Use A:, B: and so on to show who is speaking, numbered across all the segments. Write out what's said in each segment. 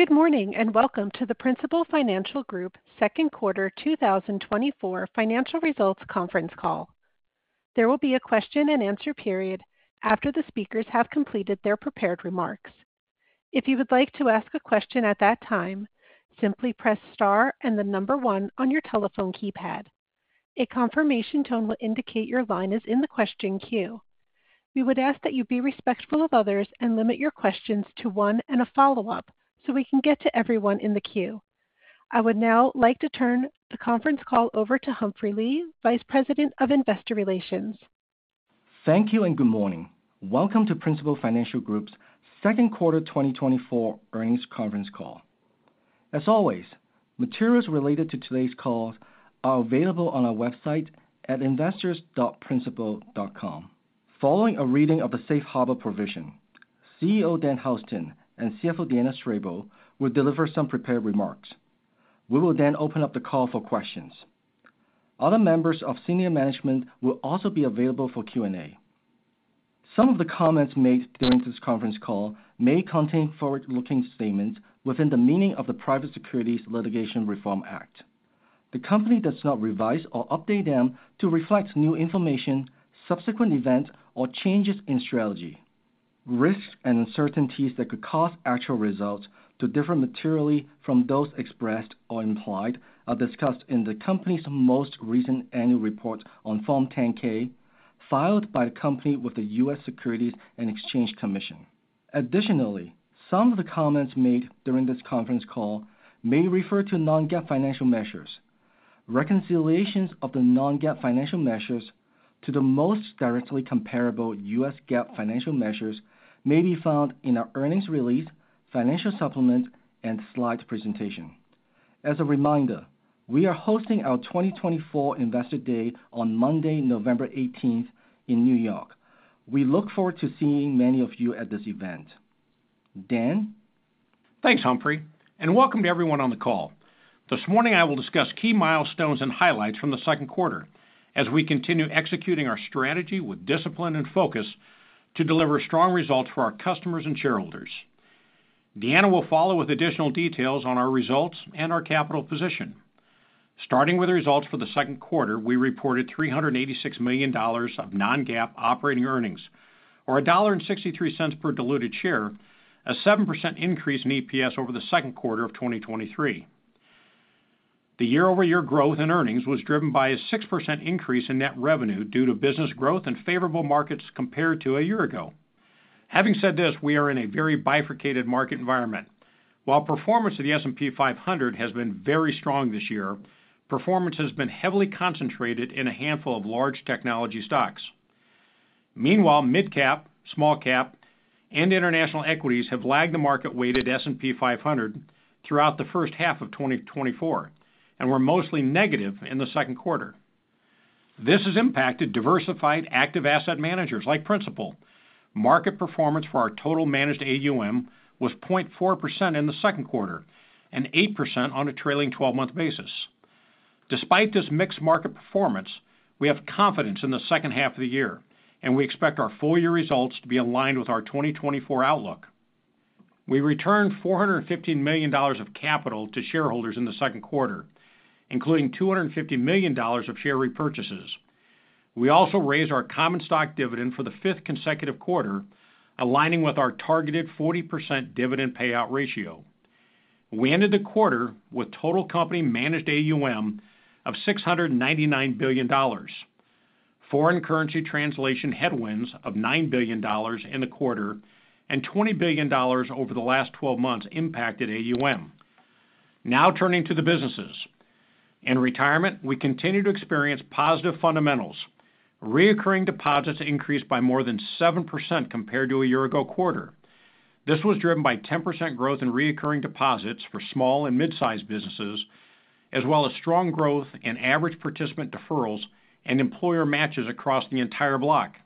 A: Good morning, and welcome to the Principal Financial Group second quarter 2024 financial results conference call. There will be a question-and-answer period after the speakers have completed their prepared remarks. If you would like to ask a question at that time, simply press star and the number one on your telephone keypad. A confirmation tone will indicate your line is in the question queue. We would ask that you be respectful of others and limit your questions to one and a follow-up so we can get to everyone in the queue. I would now like to turn the conference call over to Humphrey Lee, Vice President of Investor Relations.
B: Thank you and good morning. Welcome to Principal Financial Group's second quarter 2024 earnings conference call. As always, materials related to today's call are available on our website at investors.principal.com. Following a reading of the Safe Harbor provision, CEO Dan Houston and CFO Deanna Strable will deliver some prepared remarks. We will then open up the call for questions. Other members of senior management will also be available for Q&A. Some of the comments made during this conference call may contain forward-looking statements within the meaning of the Private Securities Litigation Reform Act. The company does not revise or update them to reflect new information, subsequent events, or changes in strategy. Risks and uncertainties that could cause actual results to differ materially from those expressed or implied are discussed in the company's most recent annual report on Form 10-K, filed by the company with the U.S. Securities and Exchange Commission. Additionally, some of the comments made during this conference call may refer to non-GAAP financial measures. Reconciliations of the non-GAAP financial measures to the most directly comparable U.S. GAAP financial measures may be found in our earnings release, financial supplement, and slides presentation. As a reminder, we are hosting our 2024 Investor Day on Monday, November eighteenth, in New York. We look forward to seeing many of you at this event. Dan?
C: Thanks, Humphrey, and welcome to everyone on the call. This morning, I will discuss key milestones and highlights from the second quarter as we continue executing our strategy with discipline and focus to deliver strong results for our customers and shareholders. Deanna will follow with additional details on our results and our capital position. Starting with the results for the second quarter, we reported $386 million of non-GAAP operating earnings, or $1.63 per diluted share, a 7% increase in EPS over the second quarter of 2023. The year-over-year growth in earnings was driven by a 6% increase in net revenue due to business growth and favorable markets compared to a year ago. Having said this, we are in a very bifurcated market environment. While performance of the S&P 500 has been very strong this year, performance has been heavily concentrated in a handful of large technology stocks. Meanwhile, mid-cap, small-cap, and international equities have lagged the market-weighted S&P 500 throughout the first half of 2024 and were mostly negative in the second quarter. This has impacted diversified active asset managers like Principal. Market performance for our total managed AUM was 0.4% in the second quarter and 8% on a trailing 12-month basis. Despite this mixed market performance, we have confidence in the second half of the year, and we expect our full-year results to be aligned with our 2024 outlook. We returned $415 million of capital to shareholders in the second quarter, including $250 million of share repurchases. We also raised our common stock dividend history for the fifth consecutive quarter, aligning with our targeted 40% dividend payout ratio. We ended the quarter with total company managed AUM of $699 billion. Foreign currency translation headwinds of $9 billion in the quarter and $20 billion over the last 12 months impacted AUM. Now, turning to the businesses. In retirement, we continue to experience positive fundamentals. Recurring deposits increased by more than 7% compared to a year-ago quarter. This was driven by 10% growth in recurring deposits for small and mid-sized businesses, as well as strong growth in average participant deferrals and employer matches across the entire block.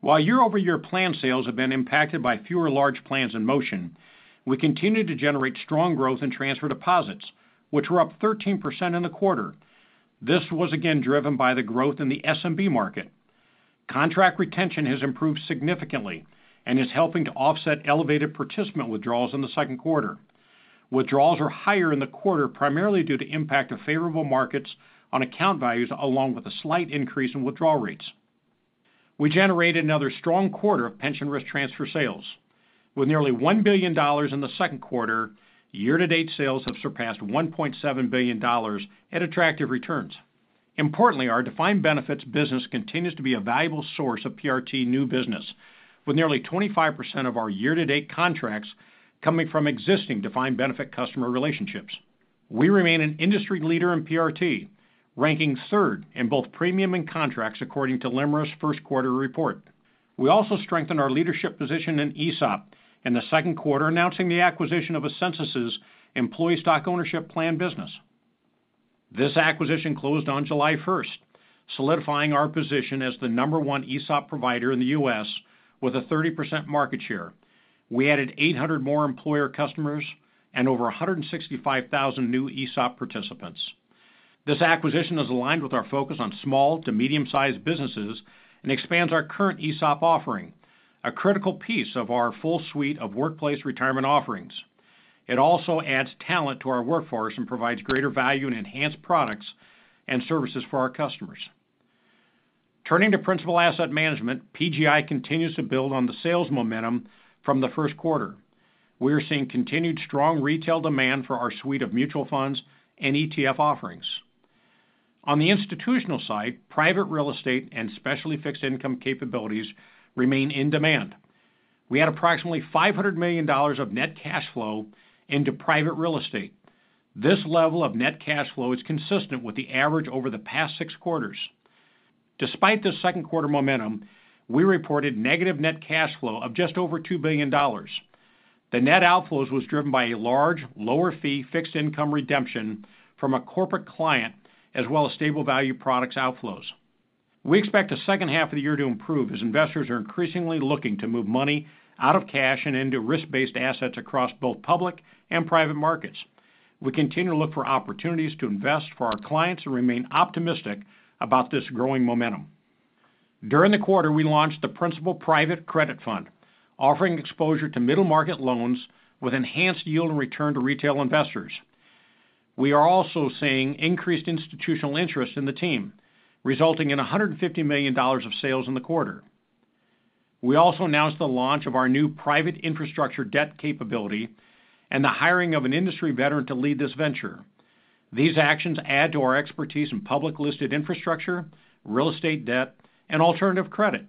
C: While year-over-year plan sales have been impacted by fewer large plans in motion, we continued to generate strong growth in transfer deposits, which were up 13% in the quarter. This was again driven by the growth in the SMB market. Contract retention has improved significantly and is helping to offset elevated participant withdrawals in the second quarter. Withdrawals were higher in the quarter, primarily due to impact of favorable markets on account values, along with a slight increase in withdrawal rates. We generated another strong quarter of pension risk transfer sales. With nearly $1 billion in the second quarter, year-to-date sales have surpassed $1.7 billion at attractive returns. Importantly, our defined benefits business continues to be a valuable source of PRT new business, with nearly 25% of our year-to-date contracts coming from existing defined benefit customer relationships. We remain an industry leader in PRT, ranking third in both premium and contracts, according to LIMRA's first quarter report. We also strengthened our leadership position in ESOP in the second quarter, announcing the acquisition of Ascensus's employee stock ownership plan business. This acquisition closed on July 1, solidifying our position as the number-one ESOP provider in the U.S. with a 30% market share. We added 800 more employer customers and over 165,000 new ESOP participants.... This acquisition is aligned with our focus on small to medium-sized businesses and expands our current ESOP offering, a critical piece of our full suite of workplace retirement offerings. It also adds talent to our workforce and provides greater value and enhanced products and services for our customers. Turning to Principal Asset Management, PGI continues to build on the sales momentum from the first quarter. We are seeing continued strong retail demand for our suite of mutual funds and ETF offerings. On the institutional side, private real estate and specialty fixed income capabilities remain in demand. We had approximately $500 million of net cash flow into private real estate. This level of net cash flow is consistent with the average over the past six quarters. Despite this second quarter momentum, we reported negative net cash flow of just over $2 billion. The net outflows was driven by a large, lower fee, fixed income redemption from a corporate client, as well as stable value products outflows. We expect the second half of the year to improve, as investors are increasingly looking to move money out of cash and into risk-based assets across both public and private markets. We continue to look for opportunities to invest for our clients and remain optimistic about this growing momentum. During the quarter, we launched the Principal Private Credit Fund, offering exposure to middle-market loans with enhanced yield and return to retail investors. We are also seeing increased institutional interest in the team, resulting in $150 million of sales in the quarter. We also announced the launch of our new private infrastructure debt capability and the hiring of an industry veteran to lead this venture. These actions add to our expertise in public-listed infrastructure, real estate debt, and alternative credit.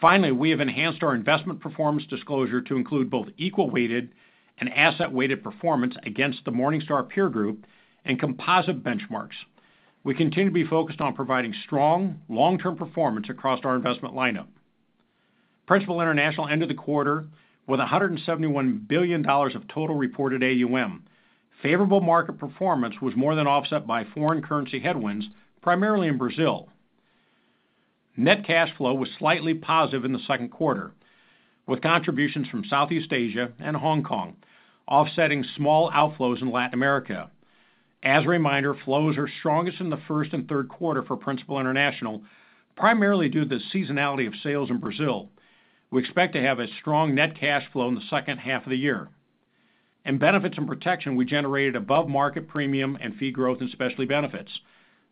C: Finally, we have enhanced our investment performance disclosure to include both equal weighted and asset-weighted performance against the Morningstar peer group and composite benchmarks. We continue to be focused on providing strong, long-term performance across our investment lineup. Principal International ended the quarter with $171 billion of total reported AUM. Favorable market performance was more than offset by foreign currency headwinds, primarily in Brazil. Net cash flow was slightly positive in the second quarter, with contributions from Southeast Asia and Hong Kong, offsetting small outflows in Latin America. As a reminder, flows are strongest in the first and third quarter for Principal International, primarily due to the seasonality of sales in Brazil. We expect to have a strong net cash flow in the second half of the year. In benefits and protection, we generated above-market premium and fee growth in specialty benefits.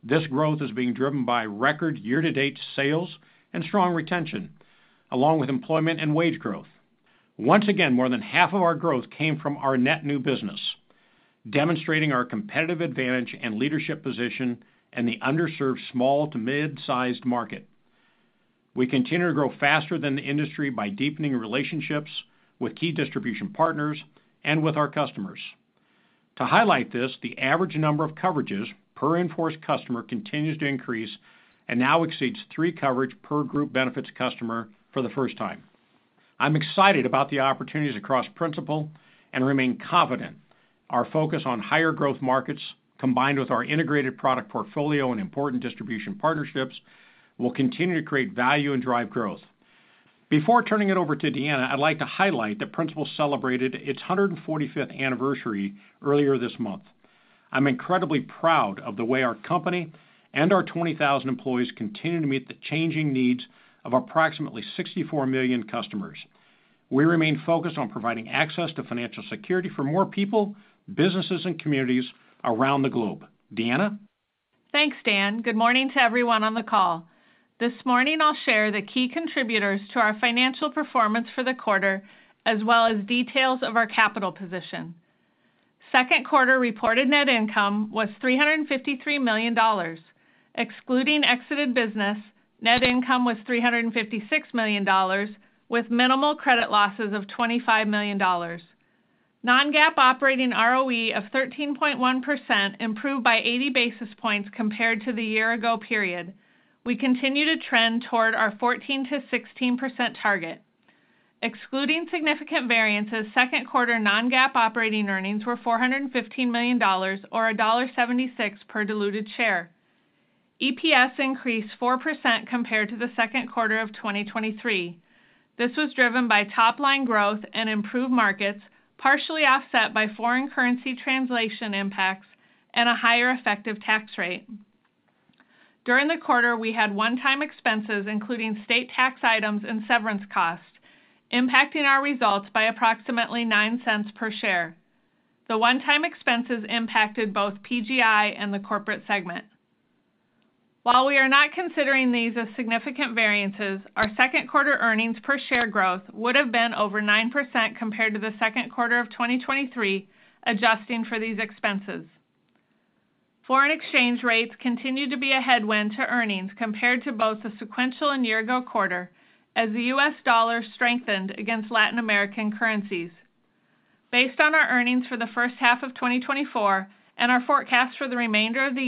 C: This growth is being driven by record year-to-date sales and strong retention, along with employment and wage growth. Once again, more than half of our growth came from our net new business, demonstrating our competitive advantage and leadership position in the underserved small to mid-sized market. We continue to grow faster than the industry by deepening relationships with key distribution partners and with our customers. To highlight this, the average number of coverages per in-force customer continues to increase and now exceeds 3 coverages per group benefits customer for the first time. I'm excited about the opportunities across Principal and remain confident our focus on higher growth markets, combined with our integrated product portfolio and important distribution partnerships, will continue to create value and drive growth. Before turning it over to Deanna, I'd like to highlight that Principal celebrated its 145th anniversary earlier this month. I'm incredibly proud of the way our company and our 20,000 employees continue to meet the changing needs of approximately 64 million customers. We remain focused on providing access to financial security for more people, businesses, and communities around the globe. Deanna?
D: Thanks, Dan. Good morning to everyone on the call. This morning, I'll share the key contributors to our financial performance for the quarter, as well as details of our capital position. Second quarter reported net income was $353 million. Excluding exited business, net income was $356 million, with minimal credit losses of $25 million. Non-GAAP operating ROE of 13.1% improved by 80 basis points compared to the year ago period. We continue to trend toward our 14%-16% target. Excluding significant variances, second quarter non-GAAP operating earnings were $415 million or $1.76 per diluted share. EPS increased 4% compared to the second quarter of 2023. This was driven by top-line growth and improved markets, partially offset by foreign currency translation impacts and a higher effective tax rate. During the quarter, we had one-time expenses, including state tax items and severance costs, impacting our results by approximately $0.09 per share. The one-time expenses impacted both PGI and the corporate segment. While we are not considering these as significant variances, our second quarter earnings per share growth would have been over 9% compared to the second quarter of 2023, adjusting for these expenses. Foreign exchange rates continue to be a headwind to earnings compared to both the sequential and year ago quarter, as the U.S. dollar strengthened against Latin American currencies. Based on our earnings for the first half of 2024 and our forecast for the remainder of the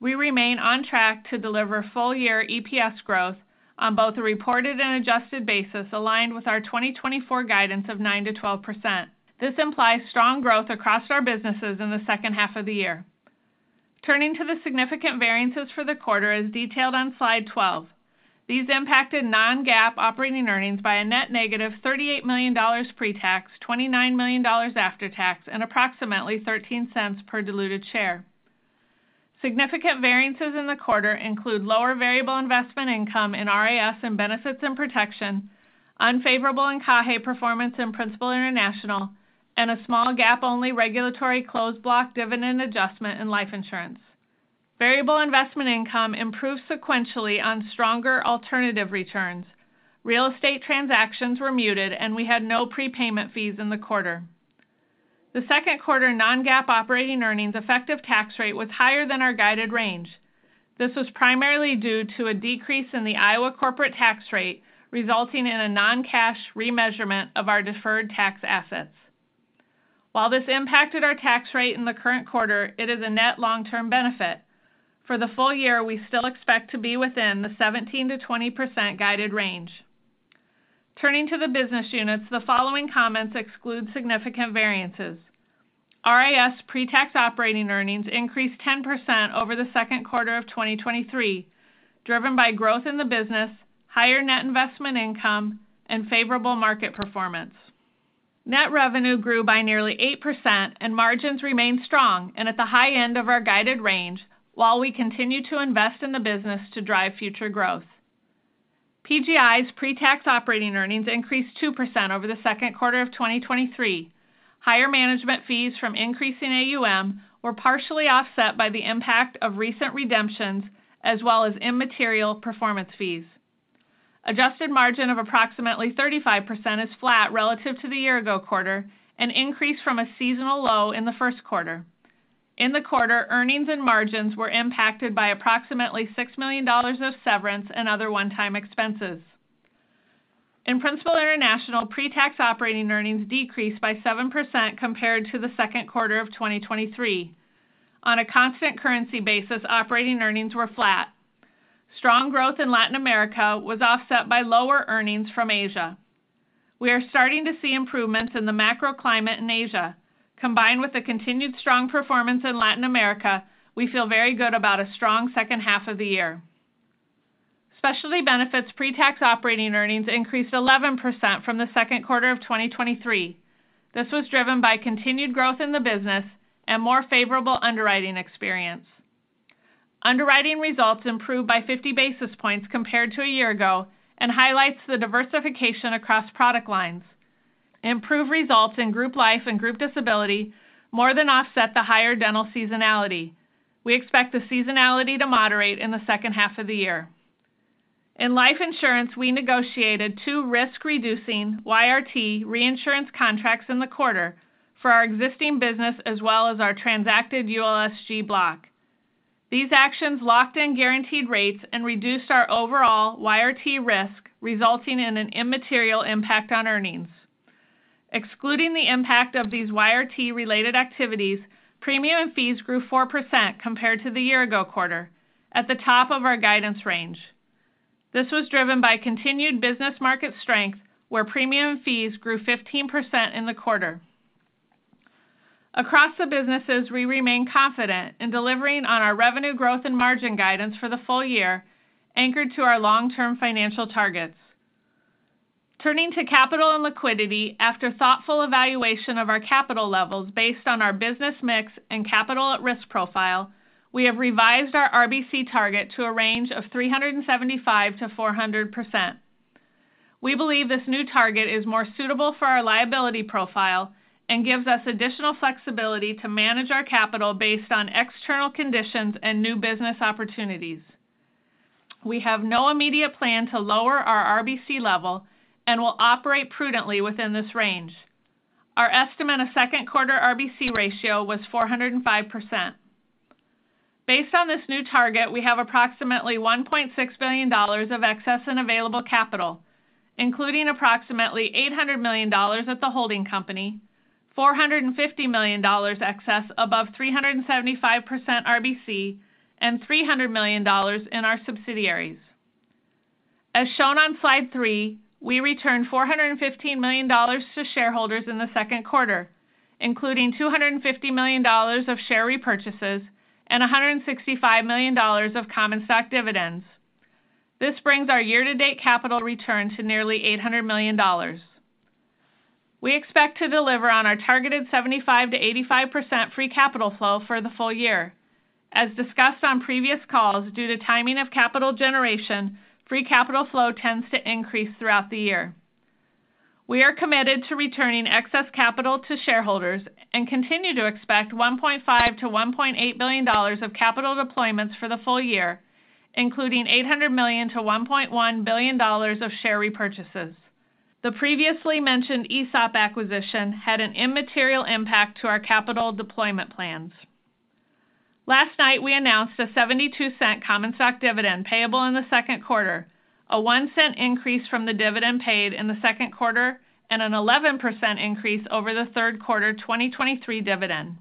D: year, we remain on track to deliver full-year EPS growth on both a reported and adjusted basis, aligned with our 2024 guidance of 9%-12%. This implies strong growth across our businesses in the second half of the year. Turning to the significant variances for the quarter, as detailed on slide 12. These impacted non-GAAP operating earnings by a net -$38 million pre-tax, $29 million after tax, and approximately $0.13 per diluted share. Significant variances in the quarter include lower variable investment income in RIS and benefits and protection, unfavorable in [CAHE] performance in Principal International, and a small GAAP-only regulatory closed block dividend adjustment in life insurance. Variable investment income improved sequentially on stronger alternative returns. Real estate transactions were muted, and we had no prepayment fees in the quarter. The second quarter non-GAAP operating earnings effective tax rate was higher than our guided range. This was primarily due to a decrease in the Iowa corporate tax rate, resulting in a non-cash remeasurement of our deferred tax assets. While this impacted our tax rate in the current quarter, it is a net long-term benefit. For the full year, we still expect to be within the 17%-20% guided range. Turning to the business units, the following comments exclude significant variances. RIS pre-tax operating earnings increased 10% over the second quarter of 2023, driven by growth in the business, higher net investment income, and favorable market performance. Net revenue grew by nearly 8%, and margins remained strong and at the high end of our guided range, while we continue to invest in the business to drive future growth. PGI's pre-tax operating earnings increased 2% over the second quarter of 2023. Higher management fees from increasing AUM were partially offset by the impact of recent redemptions, as well as immaterial performance fees. Adjusted margin of approximately 35% is flat relative to the year ago quarter and increased from a seasonal low in the first quarter. In the quarter, earnings and margins were impacted by approximately $6 million of severance and other one-time expenses. In Principal International, pre-tax operating earnings decreased by 7% compared to the second quarter of 2023. On a constant currency basis, operating earnings were flat. Strong growth in Latin America was offset by lower earnings from Asia. We are starting to see improvements in the macro climate in Asia. Combined with the continued strong performance in Latin America, we feel very good about a strong second half of the year. Specialty benefits pre-tax operating earnings increased 11% from the second quarter of 2023. This was driven by continued growth in the business and more favorable underwriting experience. Underwriting results improved by 50 basis points compared to a year ago and highlights the diversification across product lines. Improved results in group life and group disability more than offset the higher dental seasonality. We expect the seasonality to moderate in the second half of the year. In life insurance, we negotiated 2 risk-reducing YRT reinsurance contracts in the quarter for our existing business, as well as our transacted ULSG block. These actions locked in guaranteed rates and reduced our overall YRT risk, resulting in an immaterial impact on earnings. Excluding the impact of these YRT-related activities, premium and fees grew 4% compared to the year-ago quarter, at the top of our guidance range. This was driven by continued business market strength, where premium fees grew 15% in the quarter. Across the businesses, we remain confident in delivering on our revenue growth and margin guidance for the full year, anchored to our long-term financial targets. Turning to capital and liquidity, after thoughtful evaluation of our capital levels based on our business mix and capital at-risk profile, we have revised our RBC target to a range of 375%-400%. We believe this new target is more suitable for our liability profile and gives us additional flexibility to manage our capital based on external conditions and new business opportunities. We have no immediate plan to lower our RBC level and will operate prudently within this range. Our estimate of second quarter RBC ratio was 405%. Based on this new target, we have approximately $1.6 billion of excess and available capital, including approximately $800 million at the holding company, $450 million excess above 375% RBC, and $300 million in our subsidiaries. As shown on slide three, we returned $415 million to shareholders in the second quarter, including $250 million of share repurchases and $165 million of common stock dividends. This brings our year-to-date capital return to nearly $800 million. We expect to deliver on our targeted 75%-85% free capital flow for the full year. As discussed on previous calls, due to timing of capital generation, free capital flow tends to increase throughout the year. We are committed to returning excess capital to shareholders and continue to expect $1.5 billion-$1.8 billion of capital deployments for the full year, including $800 million-$1.1 billion of share repurchases. The previously mentioned ESOP acquisition had an immaterial impact to our capital deployment plans. Last night, we announced a $0.72 common stock dividend payable in the second quarter, a $0.01 increase from the dividend paid in the second quarter and an 11% increase over the third quarter 2023 dividend.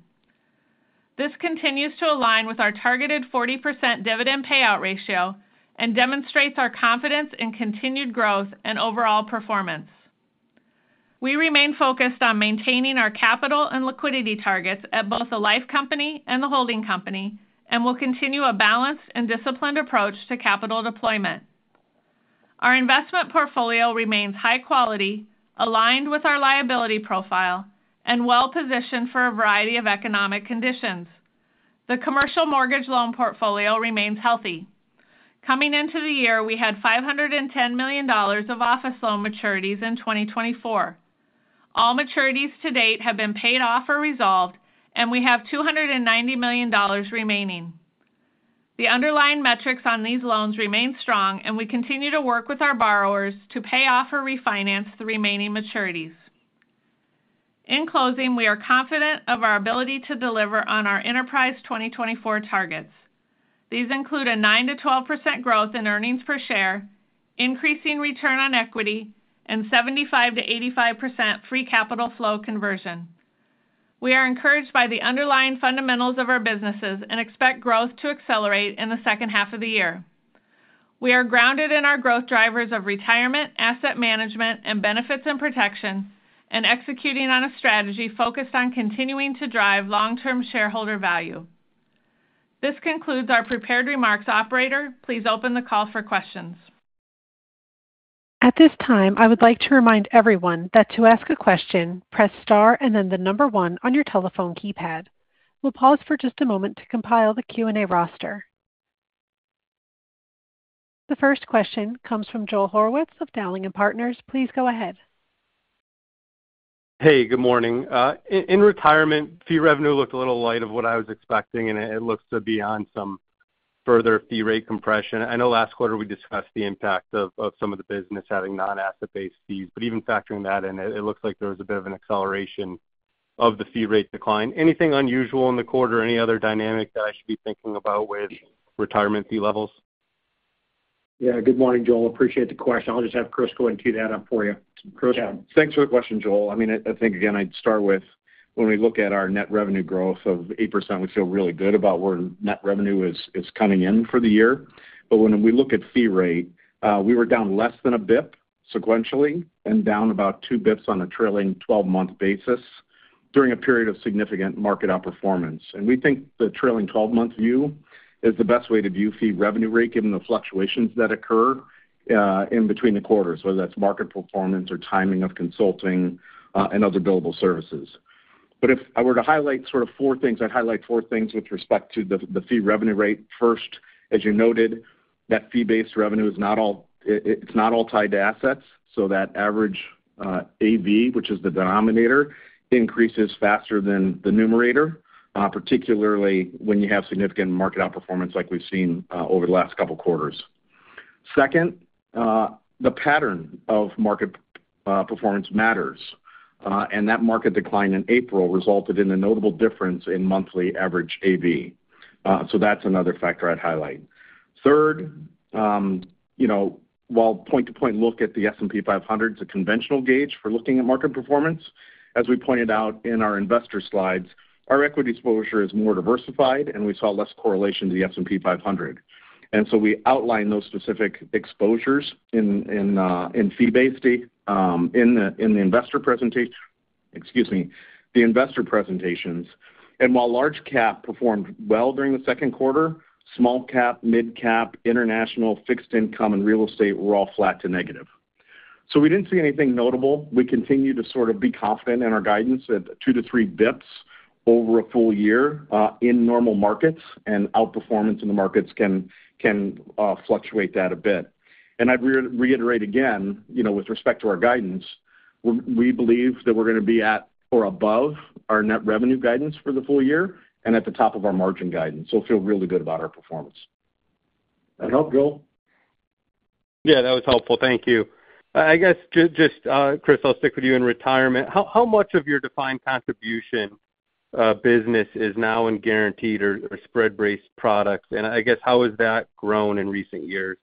D: This continues to align with our targeted 40% dividend payout ratio and demonstrates our confidence in continued growth and overall performance. ... We remain focused on maintaining our capital and liquidity targets at both the life company and the holding company, and we'll continue a balanced and disciplined approach to capital deployment. Our investment portfolio remains high quality, aligned with our liability profile, and well-positioned for a variety of economic conditions. The commercial mortgage loan portfolio remains healthy. Coming into the year, we had $510 million of office loan maturities in 2024. All maturities to date have been paid off or resolved, and we have $290 million remaining. The underlying metrics on these loans remain strong, and we continue to work with our borrowers to pay off or refinance the remaining maturities. In closing, we are confident of our ability to deliver on our Enterprise 2024 targets. These include a 9%-12% growth in earnings per share, increasing return on equity, and 75%-85% free capital flow conversion. We are encouraged by the underlying fundamentals of our businesses and expect growth to accelerate in the second half of the year. We are grounded in our growth drivers of retirement, asset management, and benefits and protection, and executing on a strategy focused on continuing to drive long-term shareholder value. This concludes our prepared remarks. Operator, please open the call for questions.
A: At this time, I would like to remind everyone that to ask a question, press Star and then the number one on your telephone keypad. We'll pause for just a moment to compile the Q&A roster. The first question comes from Joel Hurwitz of Dowling & Partners. Please go ahead.
E: Hey, good morning. In retirement, fee revenue looked a little light of what I was expecting, and it, it looks to be on some further fee rate compression. I know last quarter we discussed the impact of, of some of the business having non-asset-based fees, but even factoring that in, it, it looks like there was a bit of an acceleration of the fee rate decline. Anything unusual in the quarter or any other dynamic that I should be thinking about with retirement fee levels?
C: Yeah. Good morning, Joel. Appreciate the question. I'll just have Chris go and tee that up for you. Chris?
F: Yeah. Thanks for the question, Joel. I mean, I think, again, I'd start with, when we look at our net revenue growth of 8%, we feel really good about where net revenue is coming in for the year. But when we look at fee rate, we were down less than a basis point sequentially and down about two basis points on a trailing twelve-month basis during a period of significant market outperformance. And we think the trailing twelve-month view is the best way to view fee revenue rate, given the fluctuations that occur in between the quarters, whether that's market performance or timing of consulting and other billable services. But if I were to highlight sort of four things, I'd highlight four things with respect to the fee revenue rate. First, as you noted, that fee-based revenue is not all—it's not all tied to assets, so that average AUM, which is the denominator, increases faster than the numerator, particularly when you have significant market outperformance like we've seen over the last couple of quarters. Second, the pattern of market performance matters, and that market decline in April resulted in a notable difference in monthly average AUM. So that's another factor I'd highlight. Third, you know, while point-to-point look at the S&P 500 is a conventional gauge for looking at market performance, as we pointed out in our investor slides, our equity exposure is more diversified, and we saw less correlation to the S&P 500. And so we outlined those specific exposures in fee-based fee in the investor presentations. While large cap performed well during the second quarter, small cap, mid cap, international, fixed income, and real estate were all flat to negative. We didn't see anything notable. We continue to sort of be confident in our guidance at 2-3 bps over a full year in normal markets, and outperformance in the markets can fluctuate that a bit. I'd reiterate again, you know, with respect to our guidance, we believe that we're gonna be at or above our net revenue guidance for the full year and at the top of our margin guidance. So I feel really good about our performance.
C: That help, Joel?
E: Yeah, that was helpful. Thank you. I guess just, Chris, I'll stick with you in retirement. How much of your defined contribution business is now in guaranteed or spread-based products? And I guess, how has that grown in recent years?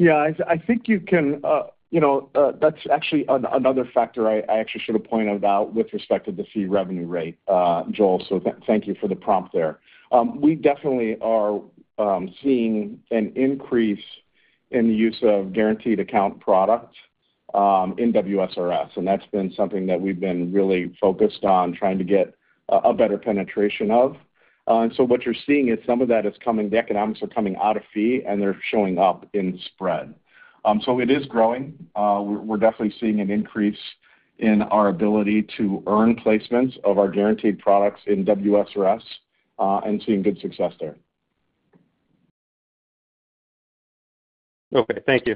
F: Yeah, I think you can, you know, that's actually another factor I actually should have pointed out with respect to the fee revenue rate, Joel, so thank you for the prompt there. We definitely are seeing an increase in the use of guaranteed account products in WSRS, and that's been something that we've been really focused on trying to get a better penetration of. And so what you're seeing is some of that is coming, the economics are coming out of fee, and they're showing up in spread. So it is growing. We're definitely seeing an increase in our ability to earn placements of our guaranteed products in WSRS, and seeing good success there.
E: Okay. Thank you.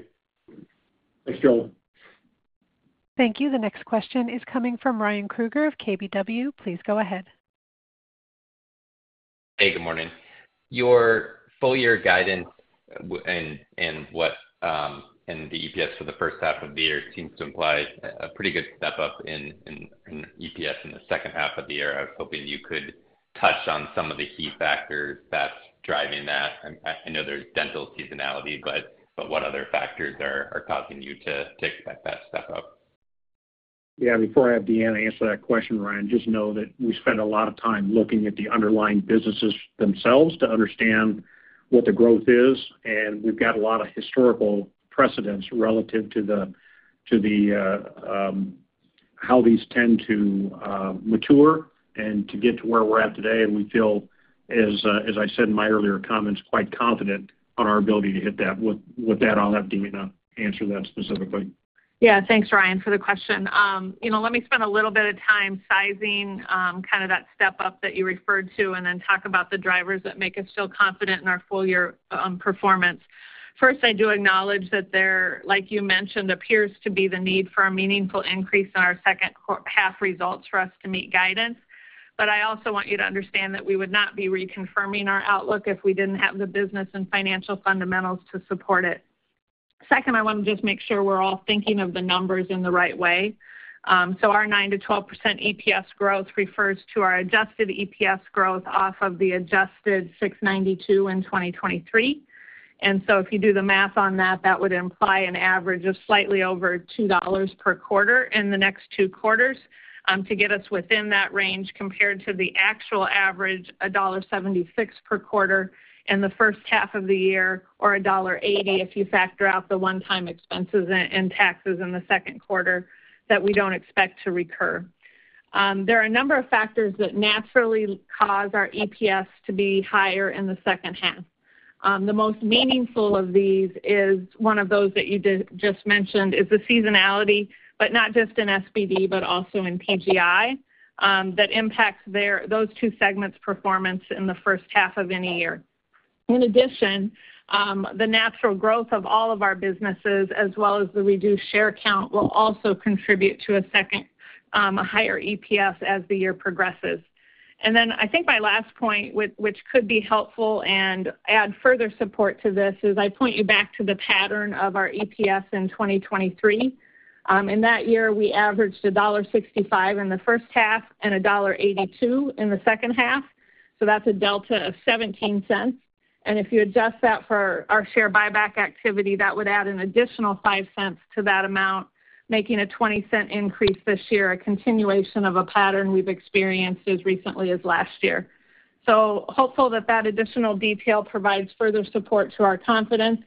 F: Thanks, Joel.
A: Thank you. The next question is coming from Ryan Krueger of KBW. Please go ahead.
G: Hey, good morning. Your full year guidance and the EPS for the first half of the year seems to imply a pretty good step-up in EPS in the second half of the year. I was hoping you could touch on some of the key factors that's driving that. I know there's dental seasonality, but what other factors are causing you to take that step up? ...
C: Yeah, before I have Deanna answer that question, Ryan, just know that we spend a lot of time looking at the underlying businesses themselves to understand what the growth is, and we've got a lot of historical precedent relative to the how these tend to mature and to get to where we're at today. And we feel as I said in my earlier comments, quite confident on our ability to hit that. With that, I'll have Deanna answer that specifically.
D: Yeah. Thanks, Ryan, for the question. You know, let me spend a little bit of time sizing kind of that step up that you referred to and then talk about the drivers that make us feel confident in our full year performance. First, I do acknowledge that there, like you mentioned, appears to be the need for a meaningful increase in our second half results for us to meet guidance. But I also want you to understand that we would not be reconfirming our outlook if we didn't have the business and financial fundamentals to support it. Second, I want to just make sure we're all thinking of the numbers in the right way. So our 9%-12% EPS growth refers to our adjusted EPS growth off of the adjusted $6.92 in 2023. If you do the math on that, that would imply an average of slightly over $2 per quarter in the next two quarters, to get us within that range, compared to the actual average, $1.76 per quarter in the first half of the year, or $1.80, if you factor out the one-time expenses and taxes in the second quarter that we don't expect to recur. There are a number of factors that naturally cause our EPS to be higher in the second half. The most meaningful of these is one of those that you just mentioned is the seasonality, but not just in SBD, but also in PGI, that impacts those two segments' performance in the first half of any year. In addition, the natural growth of all of our businesses, as well as the reduced share count, will also contribute to a second, a higher EPS as the year progresses. And then I think my last point, which, which could be helpful and add further support to this, is I point you back to the pattern of our EPS in 2023. In that year, we averaged $1.65 in the first half and $1.82 in the second half, so that's a delta of $0.17. And if you adjust that for our share buyback activity, that would add an additional $0.05 to that amount, making a $0.20 increase this year, a continuation of a pattern we've experienced as recently as last year. So hopeful that that additional detail provides further support to our confidence.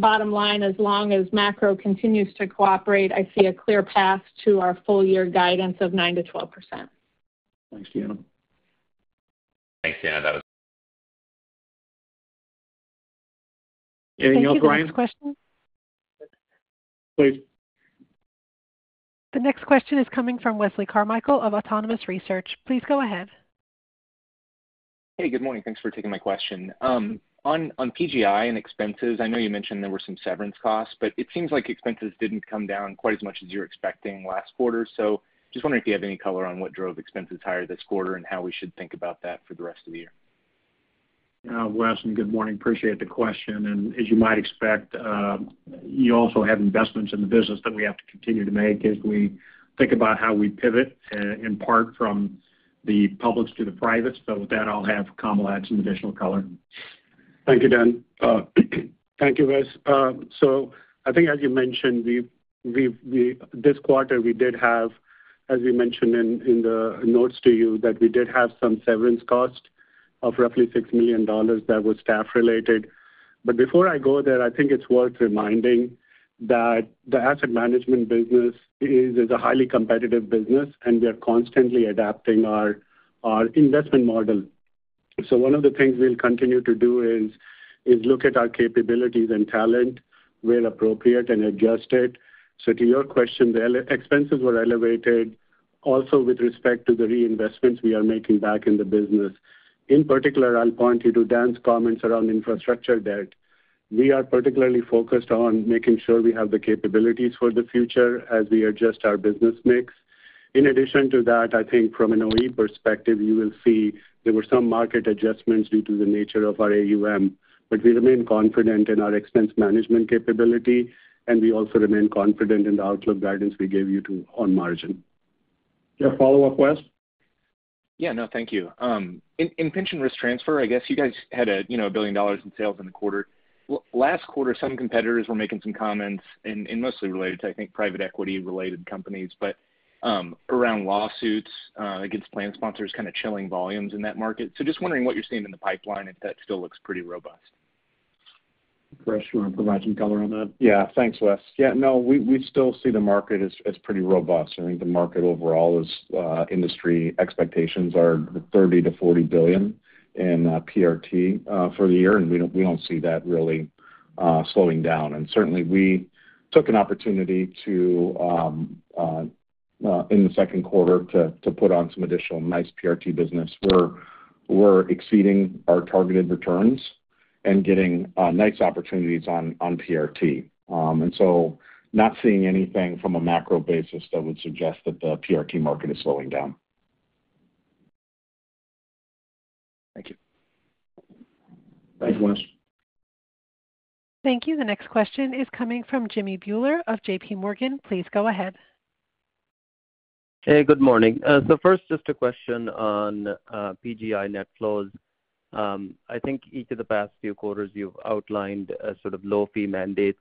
D: Bottom line, as long as macro continues to cooperate, I see a clear path to our full year guidance of 9%-12%.
C: Thanks, Deanna.
G: Thanks, Deanna,
C: that was- Anything else, Ryan?
A: Next question.
C: Please.
A: The next question is coming from Wesley Carmichael of Autonomous Research. Please go ahead.
H: Hey, good morning. Thanks for taking my question. On PGI and expenses, I know you mentioned there were some severance costs, but it seems like expenses didn't come down quite as much as you were expecting last quarter. Just wondering if you have any color on what drove expenses higher this quarter and how we should think about that for the rest of the year.
C: Wes, good morning. Appreciate the question, and as you might expect, you also have investments in the business that we have to continue to make as we think about how we pivot, in part from the public to the private. With that, I'll have Kamal add some additional color.
I: Thank you, Dan. Thank you, Wes. So I think as you mentioned, we've this quarter, we did have, as we mentioned in the notes to you, that we did have some severance cost of roughly $6 million that was staff related. But before I go there, I think it's worth reminding that the asset management business is a highly competitive business, and we are constantly adapting our investment model. So one of the things we'll continue to do is look at our capabilities and talent where appropriate and adjust it. So to your question, the expenses were elevated also with respect to the reinvestments we are making back in the business. In particular, I'll point you to Dan's comments around infrastructure debt. We are particularly focused on making sure we have the capabilities for the future as we adjust our business mix. In addition to that, I think from an OE perspective, you will see there were some market adjustments due to the nature of our AUM, but we remain confident in our expense management capability, and we also remain confident in the outlook guidance we gave you, too, on margin.
C: You have follow-up, Wes?
H: Yeah. No, thank you. In pension risk transfer, I guess you guys had a, you know, $1 billion in sales in the quarter. Last quarter, some competitors were making some comments and, and mostly related to, I think, private equity-related companies, but, around lawsuits against plan sponsors, kind of chilling volumes in that market. So just wondering what you're seeing in the pipeline, if that still looks pretty robust.
C: Chris, you want to provide some color on that?
F: Yeah. Thanks, Wes. Yeah, no, we, we still see the market as, as pretty robust. I think the market overall is industry expectations are $30 billion-$40 billion in PRT for the year, and we don't, we don't see that really slowing down. And certainly, we took an opportunity to in the second quarter to put on some additional nice PRT business. We're, we're exceeding our targeted returns and getting nice opportunities on, on PRT. And so not seeing anything from a macro basis that would suggest that the PRT market is slowing down.
H: Thank you.
C: Thanks, Wes.
A: Thank you. The next question is coming from Jimmy Bhullar of J.P. Morgan. Please go ahead.
J: Hey, good morning. So first, just a question on PGI net flows. I think each of the past few quarters, you've outlined a sort of low-fee mandates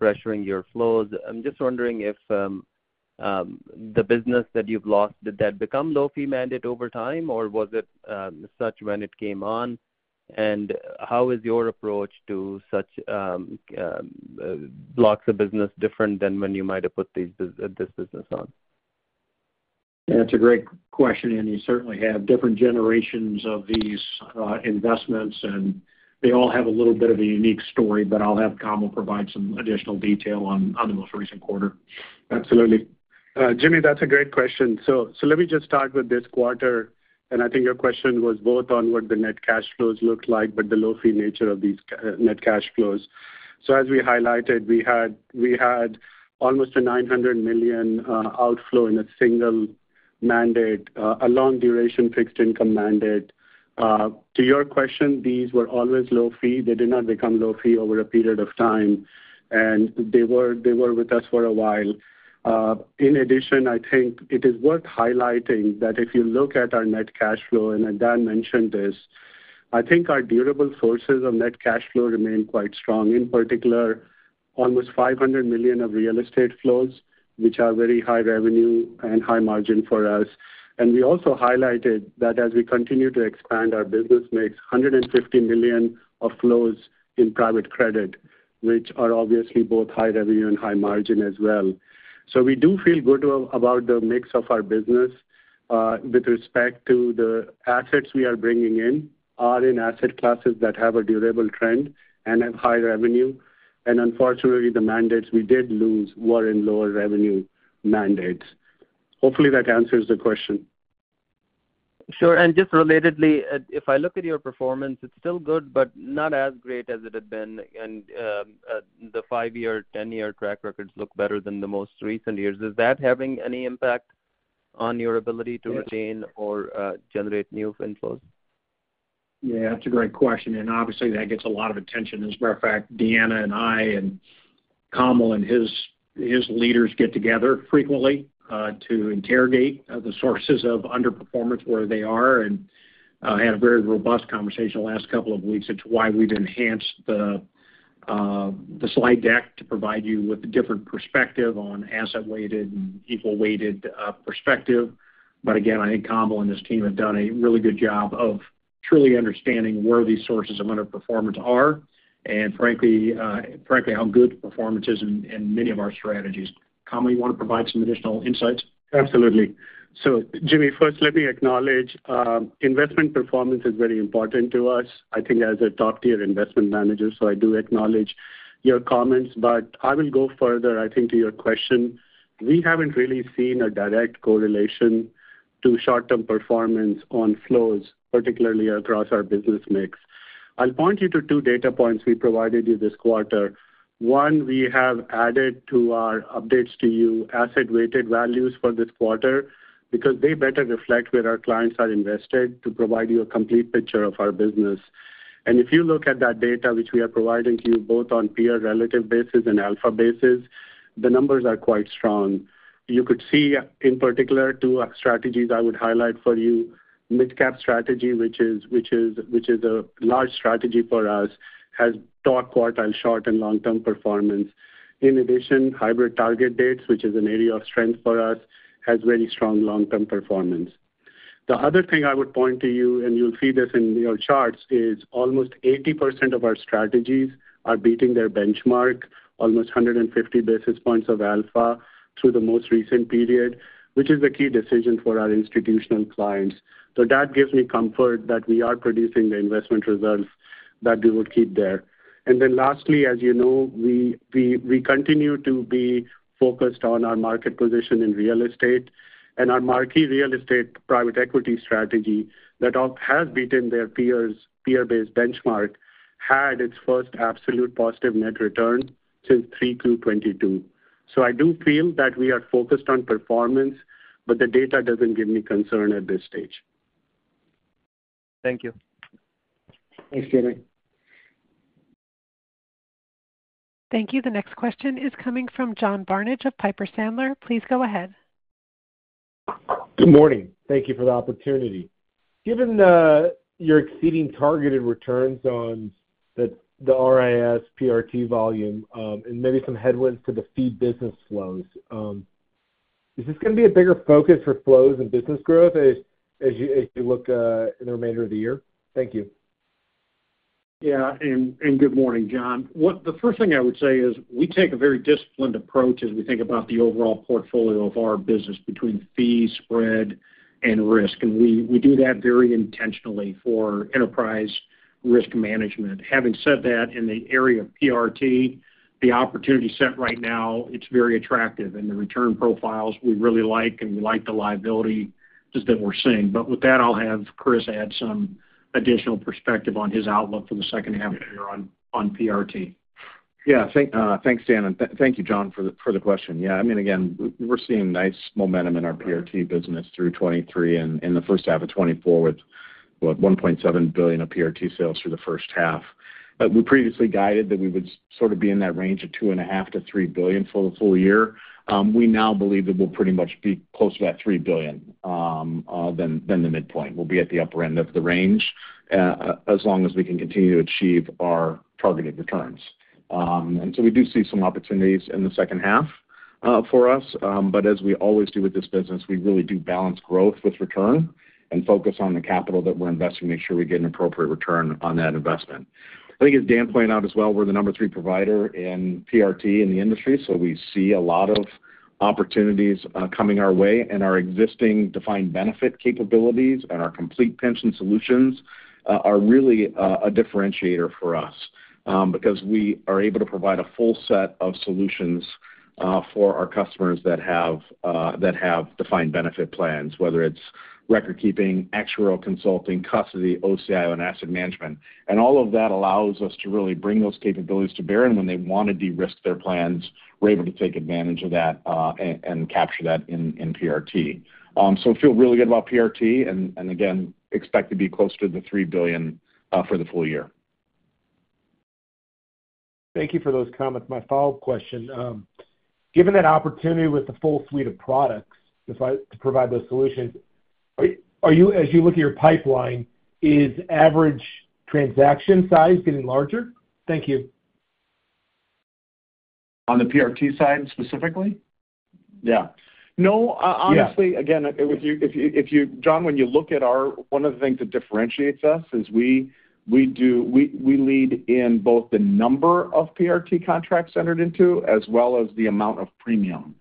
J: pressuring your flows. I'm just wondering if the business that you've lost, did that become low-fee mandate over time, or was it such when it came on? And how is your approach to such blocks of business different than when you might have put this business on?
C: That's a great question, and you certainly have different generations of these investments, and they all have a little bit of a unique story, but I'll have Kamal provide some additional detail on the most recent quarter.
I: Absolutely. Jimmy, that's a great question. So, so let me just start with this quarter, and I think your question was both on what the net cash flows looked like, but the low-fee nature of these net cash flows. So as we highlighted, we had, we had almost $900 million outflow in a single mandate, a long duration fixed income mandate. To your question, these were always low fee. They did not become low fee over a period of time, and they were, they were with us for a while. In addition, I think it is worth highlighting that if you look at our net cash flow, and Dan mentioned this, I think our durable sources of net cash flow remain quite strong, in particular, almost $500 million of real estate flows, which are very high revenue and high margin for us. And we also highlighted that as we continue to expand, our business makes $150 million of flows in private credit, which are obviously both high revenue and high margin as well. So we do feel good about the mix of our business, with respect to the assets we are bringing in, are in asset classes that have a durable trend and have high revenue. And unfortunately, the mandates we did lose were in lower revenue mandates. Hopefully, that answers the question.
J: Sure. Just relatedly, if I look at your performance, it's still good, but not as great as it had been, and the 5-year, 10-year track records look better than the most recent years. Is that having any impact on your ability to retain-
I: Yes...
J: or, generate new inflows?
C: Yeah, that's a great question, and obviously, that gets a lot of attention. As a matter of fact, Deanna and I and Kamal and his leaders get together frequently to interrogate the sources of underperformance, where they are, and had a very robust conversation the last couple of weeks into why we've enhanced the slide deck to provide you with a different perspective on asset-weighted and equal-weighted perspective. But again, I think Kamal and his team have done a really good job of truly understanding where these sources of underperformance are, and frankly, frankly, how good the performance is in many of our strategies. Kamal, you wanna provide some additional insights?
I: Absolutely. So Jimmy, first, let me acknowledge, investment performance is very important to us, I think, as a top-tier investment manager, so I do acknowledge your comments. But I will go further, I think, to your question. We haven't really seen a direct correlation to short-term performance on flows, particularly across our business mix. I'll point you to two data points we provided you this quarter. One, we have added to our updates to you, asset-weighted values for this quarter, because they better reflect where our clients are invested to provide you a complete picture of our business. And if you look at that data, which we are providing to you both on peer relative basis and alpha basis, the numbers are quite strong. You could see, in particular, two strategies I would highlight for you. Midcap strategy, which is a large strategy for us, has top quartile short- and long-term performance. In addition, hybrid target dates, which is an area of strength for us, has very strong long-term performance. The other thing I would point to you, and you'll see this in your charts, is almost 80% of our strategies are beating their benchmark, almost 150 basis points of alpha through the most recent period, which is a key decision for our institutional clients. So that gives me comfort that we are producing the investment results that we will keep there. And then lastly, as you know, we continue to be focused on our market position in real estate. And our marquee real estate private equity strategy that has beaten their peers, peer-based benchmark, had its first absolute positive net return since Q3 2022. I do feel that we are focused on performance, but the data doesn't give me concern at this stage.
J: Thank you.
I: Thanks, Jimmy.
A: Thank you. The next question is coming from John Barnidge of Piper Sandler. Please go ahead.
K: Good morning. Thank you for the opportunity. Given your exceeding targeted returns on the RIS PRT volume, and maybe some headwinds to the fee business flows, is this gonna be a bigger focus for flows and business growth as you look in the remainder of the year? Thank you.
C: Yeah, and good morning, John. The first thing I would say is we take a very disciplined approach as we think about the overall portfolio of our business between fees, spread, and risk, and we do that very intentionally for enterprise risk management. Having said that, in the area of PRT, the opportunity set right now, it's very attractive, and the return profiles we really like, and we like the liabilities that we're seeing. But with that, I'll have Chris add some additional perspective on his outlook for the second half of the year on PRT.
F: Yeah, thanks, Dan, and thank you, John, for the question. Yeah, I mean, again, we're seeing nice momentum in our PRT business through 2023 and in the first half of 2024, with well, $1.7 billion of PRT sales for the first half. But we previously guided that we would sort of be in that range of $2.5 billion-$3 billion for the full year. We now believe that we'll pretty much be close to that $3 billion rather than the midpoint. We'll be at the upper end of the range, as long as we can continue to achieve our targeted returns. And so we do see some opportunities in the second half for us, but as we always do with this business, we really do balance growth with return and focus on the capital that we're investing to make sure we get an appropriate return on that investment. I think as Dan pointed out as well, we're the number three provider in PRT in the industry, so we see a lot of opportunities coming our way. And our existing defined benefit capabilities and our Complete Pension Solutions are really a differentiator for us, because we are able to provide a full set of solutions for our customers that have defined benefit plans, whether it's record keeping, actuarial consulting, custody, OCIO, and asset management. And all of that allows us to really bring those capabilities to bear. When they want to de-risk their plans, we're able to take advantage of that and capture that in PRT. So feel really good about PRT, and again, expect to be close to $3 billion for the full year.
K: Thank you for those comments. My follow-up question, given that opportunity with the full suite of products to provide those solutions, are you as you look at your pipeline, is average transaction size getting larger? Thank you.
F: On the PRT side, specifically?
K: Yeah.
F: No, uh-
K: Yeah...
F: honestly, again, if you, John, when you look at our – one of the things that differentiates us is we lead in both the number of PRT contracts entered into, as well as the amount of premium.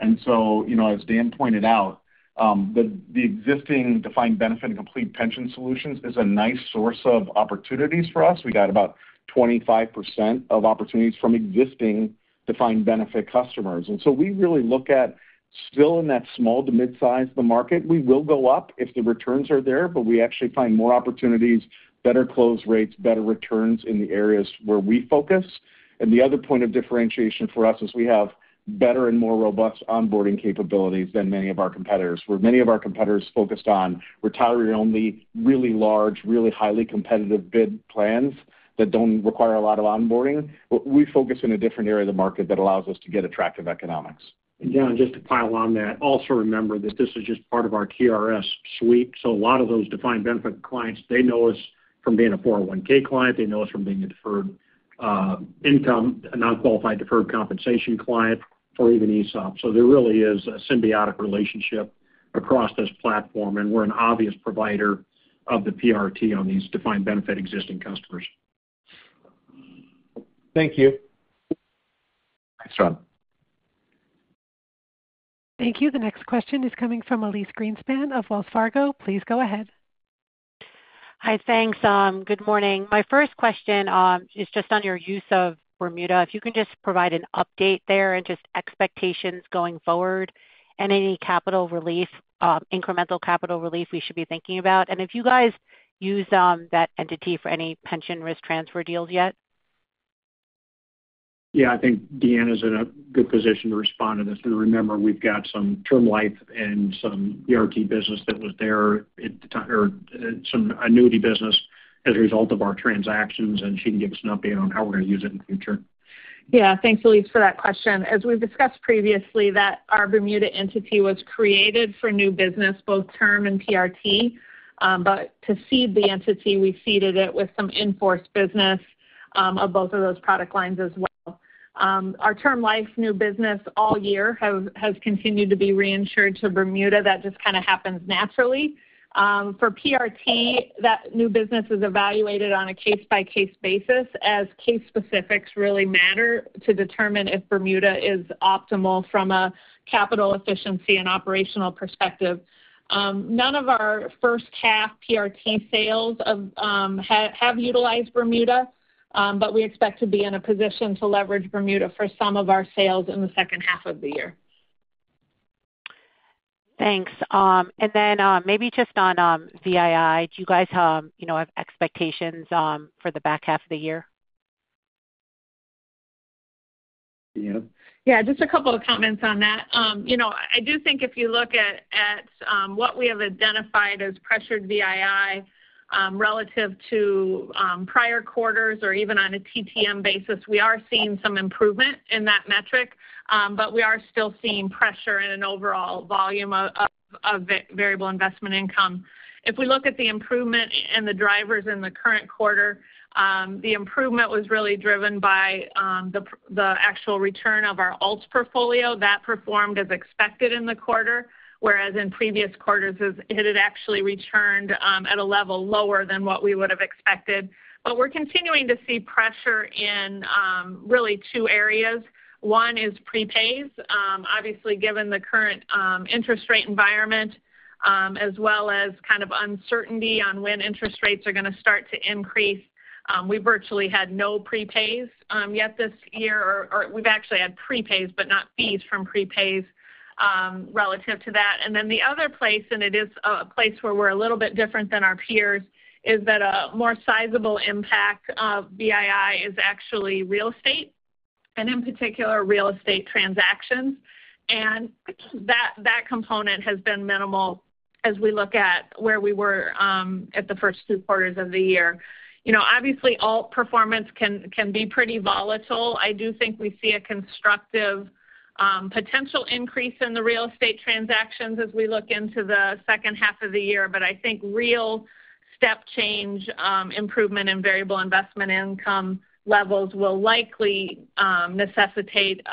F: And so, you know, as Dan pointed out, the existing Defined Benefit and Complete Pension Solutions is a nice source of opportunities for us. We got about 25% of opportunities from existing Defined Benefit customers. And so we really look at still in that small- to mid-size the market. We will go up if the returns are there, but we actually find more opportunities, better close rates, better returns in the areas where we focus. The other point of differentiation for us is we have better and more robust onboarding capabilities than many of our competitors, where many of our competitors focused on retiree-only, really large, really highly competitive bid plans that don't require a lot of onboarding. But we focus in a different area of the market that allows us to get attractive economics.
C: And John, just to pile on that, also remember that this is just part of our TRS suite, so a lot of those Defined Benefit clients, they know us from being a 401 client, they know us from being a deferred income, a non-qualified deferred compensation client, or even ESOP. So there really is a symbiotic relationship across this platform, and we're an obvious provider of the PRT on these Defined Benefit existing customers.
K: Thank you.
F: Thanks, John.
A: Thank you. The next question is coming from Elyse Greenspan of Wells Fargo. Please go ahead.
L: Hi, thanks. Good morning. My first question is just on your use of Bermuda. If you can just provide an update there and just expectations going forward and any capital relief, incremental capital relief we should be thinking about. And if you guys use that entity for any Pension Risk Transfer deals yet?
C: Yeah, I think Deanna is in a good position to respond to this. But remember, we've got some term life and some PRT business that was there at the time, or some annuity business as a result of our transactions, and she can give us an update on how we're going to use it in the future.
D: Yeah. Thanks, Elyse, for that question. As we've discussed previously, that our Bermuda entity was created for new business, both term and PRT. But to seed the entity, we seeded it with some in-force business, of both of those product lines as well. Our term life new business all year has continued to be reinsured to Bermuda. That just kind of happens naturally. For PRT, that new business is evaluated on a case-by-case basis, as case specifics really matter to determine if Bermuda is optimal from a capital efficiency and operational perspective. None of our first half PRT sales have utilized Bermuda, but we expect to be in a position to leverage Bermuda for some of our sales in the second half of the year.
L: Thanks. And then, maybe just on VII, do you guys, you know, have expectations for the back half of the year?
C: Deanna?
D: Yeah, just a couple of comments on that. You know, I do think if you look at what we have identified as pressured VII, relative to prior quarters or even on a TTM basis, we are seeing some improvement in that metric, but we are still seeing pressure in an overall volume of variable investment income. If we look at the improvement in the drivers in the current quarter, the improvement was really driven by the actual return of our alts portfolio. That performed as expected in the quarter, whereas in previous quarters, it had actually returned at a level lower than what we would have expected. But we're continuing to see pressure in really two areas. One is prepays. Obviously, given the current interest rate environment, as well as kind of uncertainty on when interest rates are going to start to increase, we virtually had no prepays yet this year, or, or we've actually had prepays, but not fees from prepays relative to that. And then the other place, and it is a place where we're a little bit different than our peers, is that a more sizable impact of VII is actually real estate and in particular, real estate transactions. And that component has been minimal as we look at where we were at the first two quarters of the year. You know, obviously, all performance can be pretty volatile. I do think we see a constructive potential increase in the real estate transactions as we look into the second half of the year. I think real step change, improvement in variable investment income levels will likely necessitate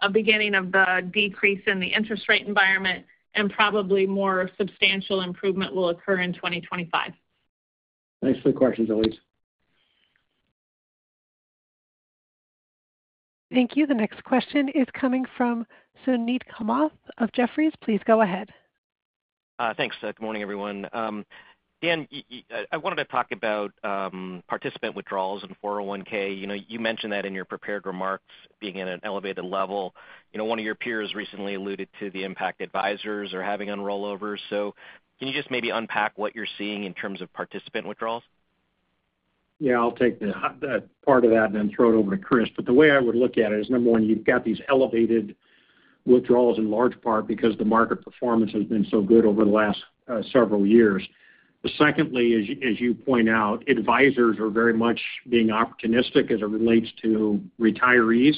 D: a beginning of the decrease in the interest rate environment, and probably more substantial improvement will occur in 2025.
C: Thanks for the question, Elyse.
A: Thank you. The next question is coming from Suneet Kamath of Jefferies. Please go ahead.
M: Thanks. Good morning, everyone. Dan, I wanted to talk about participant withdrawals in 401(k). You know, you mentioned that in your prepared remarks being at an elevated level. You know, one of your peers recently alluded to the impact advisors are having on rollovers. So can you just maybe unpack what you're seeing in terms of participant withdrawals?
C: Yeah, I'll take that part of that, and then throw it over to Chris. But the way I would look at it is, number one, you've got these elevated withdrawals in large part because the market performance has been so good over the last several years. Secondly, as you, as you point out, advisors are very much being opportunistic as it relates to retirees.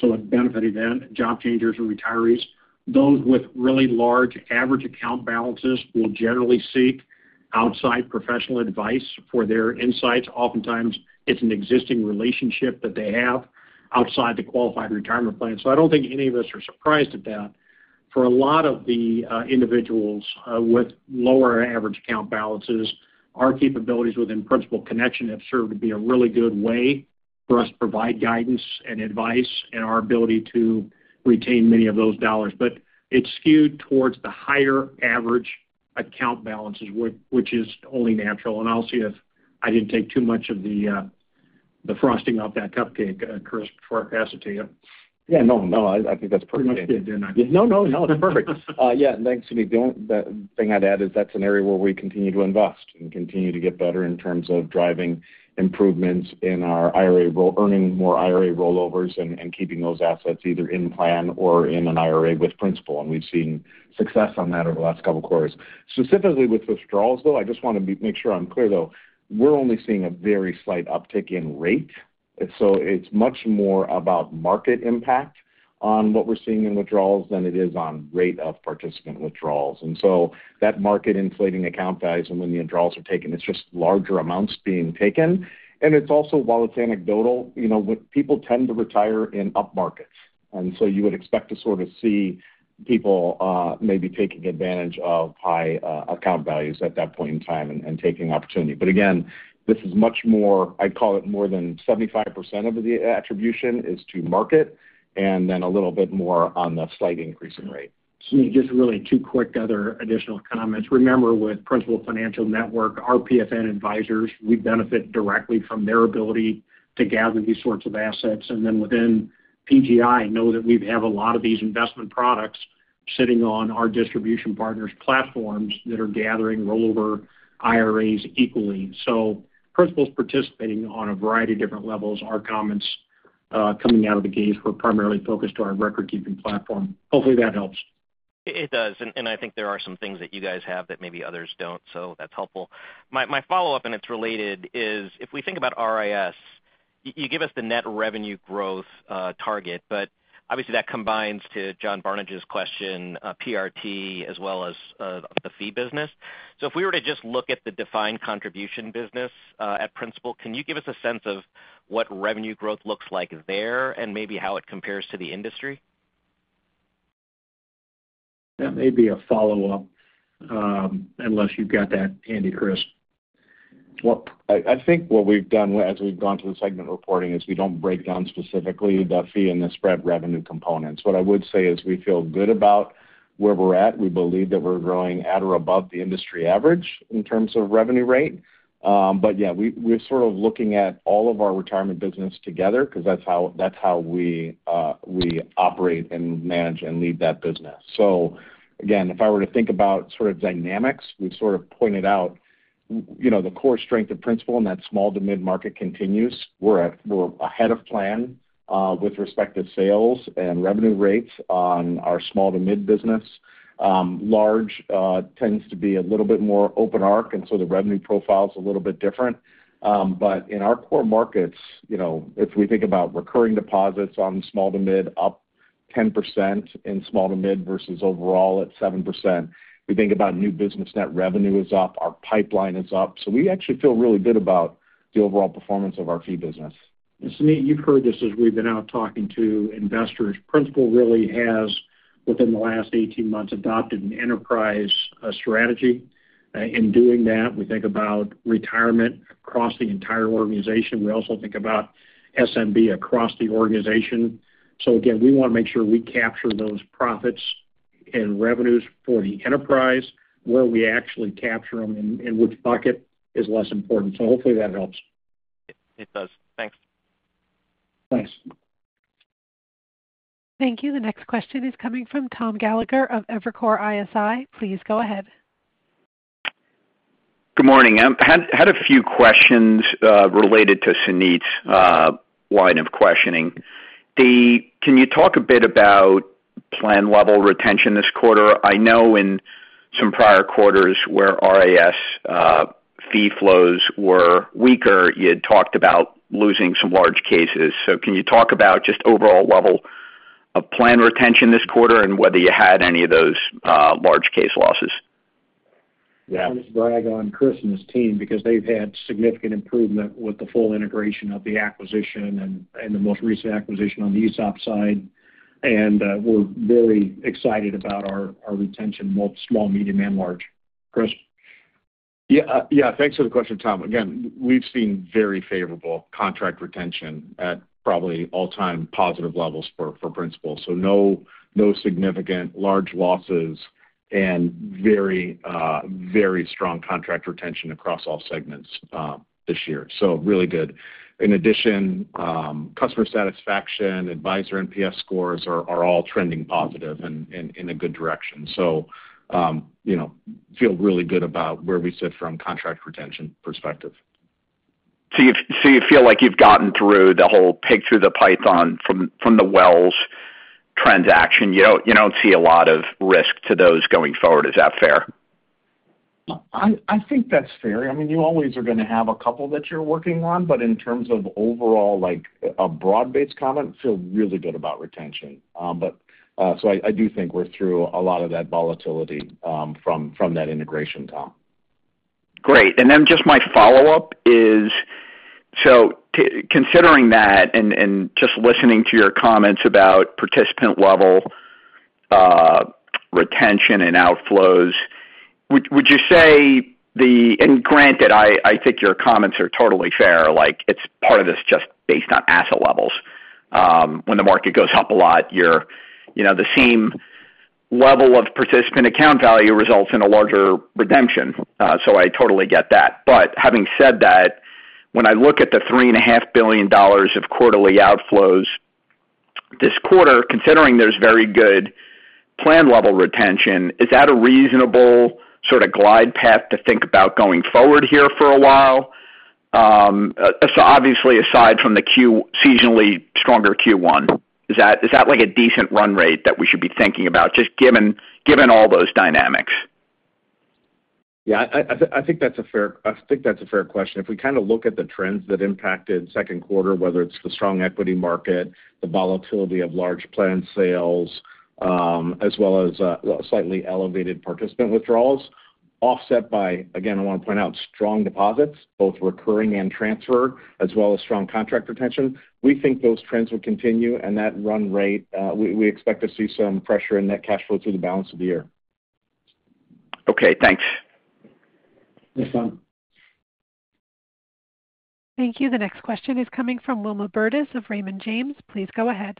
C: So a benefit event, job changers or retirees, those with really large average account balances will generally seek outside professional advice for their insights. Oftentimes, it's an existing relationship that they have outside the qualified retirement plan. So I don't think any of us are surprised at that. For a lot of the individuals with lower average account balances, our capabilities within Principal Connection have served to be a really good way for us to provide guidance and advice and our ability to retain many of those dollars. But it's skewed towards the higher average account balances, which is only natural. And I'll see if I didn't take too much of the frosting off that cupcake, Chris, before I pass it to you.
F: Yeah, no, no, I think that's perfect.
C: Pretty much did, did I?
F: No, no, no, that's perfect. Yeah. Thanks, Suneet. The only thing I'd add is that's an area where we continue to invest and continue to get better in terms of driving improvements in our IRA roll... Earning more IRA rollovers and keeping those assets either in plan or in an IRA with Principal, and we've seen success on that over the last couple of quarters. Specifically, with withdrawals, though, I just want to make sure I'm clear, though. We're only seeing a very slight uptick in rate, and so it's much more about market impact on what we're seeing in withdrawals than it is on rate of participant withdrawals. And so that market inflating account values and when the withdrawals are taken, it's just larger amounts being taken. And it's also, while it's anecdotal, you know, with people tend to retire in up markets, and so you would expect to sort of see people, maybe taking advantage of high account values at that point in time and taking opportunity. But again, this is much more... I'd call it more than 75% of the attribution is to market, and then a little bit more on the slight increase in rate.
C: Suneet, just really two quick other additional comments. Remember, with Principal Financial Network, our PFN advisors, we benefit directly from their ability to gather these sorts of assets. And then within PGI, know that we've have a lot of these investment products sitting on our distribution partners platforms that are gathering rollover IRAs equally. So Principal's participating on a variety of different levels. Our comments coming out of the gate were primarily focused on our record-keeping platform. Hopefully, that helps.
M: It does, and I think there are some things that you guys have that maybe others don't, so that's helpful. My follow-up, and it's related, is if we think about RIS, you give us the net revenue growth target, but obviously, that combines to John Barnidge's question, PRT as well as the fee business. So if we were to just look at the defined contribution business at Principal, can you give us a sense of what revenue growth looks like there and maybe how it compares to the industry?
C: That may be a follow-up, unless you've got that handy, Chris.
F: Well, I think what we've done as we've gone through the segment reporting, is we don't break down specifically the fee and the spread revenue components. What I would say is we feel good about where we're at. We believe that we're growing at or above the industry average in terms of revenue rate. But yeah, we're sort of looking at all of our retirement business together because that's how, that's how we operate and manage and lead that business. So again, if I were to think about sort of dynamics, we've sort of pointed out, you know, the core strength of Principal in that small to mid-market continues. We're ahead of plan, with respect to sales and revenue rates on our small to mid business. Large tends to be a little bit more open arc, and so the revenue profile is a little bit different. But in our core markets, you know, if we think about recurring deposits on small to mid, up 10% in small to mid versus overall at 7%. We think about new business, net revenue is up, our pipeline is up. So we actually feel really good about the overall performance of our fee business.
C: Suneet, you've heard this as we've been out talking to investors. Principal really has, within the last 18 months, adopted an enterprise strategy. In doing that, we think about retirement across the entire organization. We also think about SMB across the organization. So again, we want to make sure we capture those profits and revenues for the enterprise, where we actually capture them and, and which bucket is less important. So hopefully that helps.
M: It does. Thanks.
C: Thanks.
A: Thank you. The next question is coming from Tom Gallagher of Evercore ISI. Please go ahead.
N: Good morning. Had a few questions related to Suneet's line of questioning. Can you talk a bit about plan level retention this quarter? I know in some prior quarters where RAS fee flows were weaker, you had talked about losing some large cases. So can you talk about just overall level of plan retention this quarter and whether you had any of those large case losses?
C: Yeah, just brag on Chris and his team because they've had significant improvement with the full integration of the acquisition and the most recent acquisition on the ESOP side. And, we're very excited about our retention, both small, medium, and large. Chris?
F: Yeah, yeah, thanks for the question, Tom. Again, we've seen very favorable contract retention at probably all-time positive levels for Principal. So no, no significant large losses and very, very strong contract retention across all segments this year. So really good. In addition, customer satisfaction, advisor NPS scores are all trending positive and in a good direction. So, you know, feel really good about where we sit from contract retention perspective.
N: So you feel like you've gotten through the whole pipeline from the Wells transaction. You don't see a lot of risk to those going forward. Is that fair?
F: I think that's fair. I mean, you always are gonna have a couple that you're working on, but in terms of overall, like a broad-based comment, feel really good about retention. But so I do think we're through a lot of that volatility, from that integration, Tom.
N: Great. And then just my follow-up is: so considering that and, and just listening to your comments about participant level retention and outflows, would you say the... And granted, I think your comments are totally fair. Like, it's part of this just based on asset levels. When the market goes up a lot, you know, the same level of participant account value results in a larger redemption. So I totally get that. But having said that, when I look at the $3.5 billion of quarterly outflows this quarter, considering there's very good plan level retention, is that a reasonable sort of glide path to think about going forward here for a while? So obviously, aside from the seasonally stronger Q1, is that like a decent run rate that we should be thinking about, just given all those dynamics?
F: Yeah, I think that's a fair question. If we kind of look at the trends that impacted second quarter, whether it's the strong equity market, the volatility of large plan sales, as well as slightly elevated participant withdrawals, offset by, again, I want to point out, strong deposits, both recurring and transfer, as well as strong contract retention, we think those trends will continue and that run rate, we expect to see some pressure in net cash flow through the balance of the year.
N: Okay, thanks.
C: Thanks, Tom.
A: Thank you. The next question is coming from Wilma Burdis of Raymond James. Please go ahead.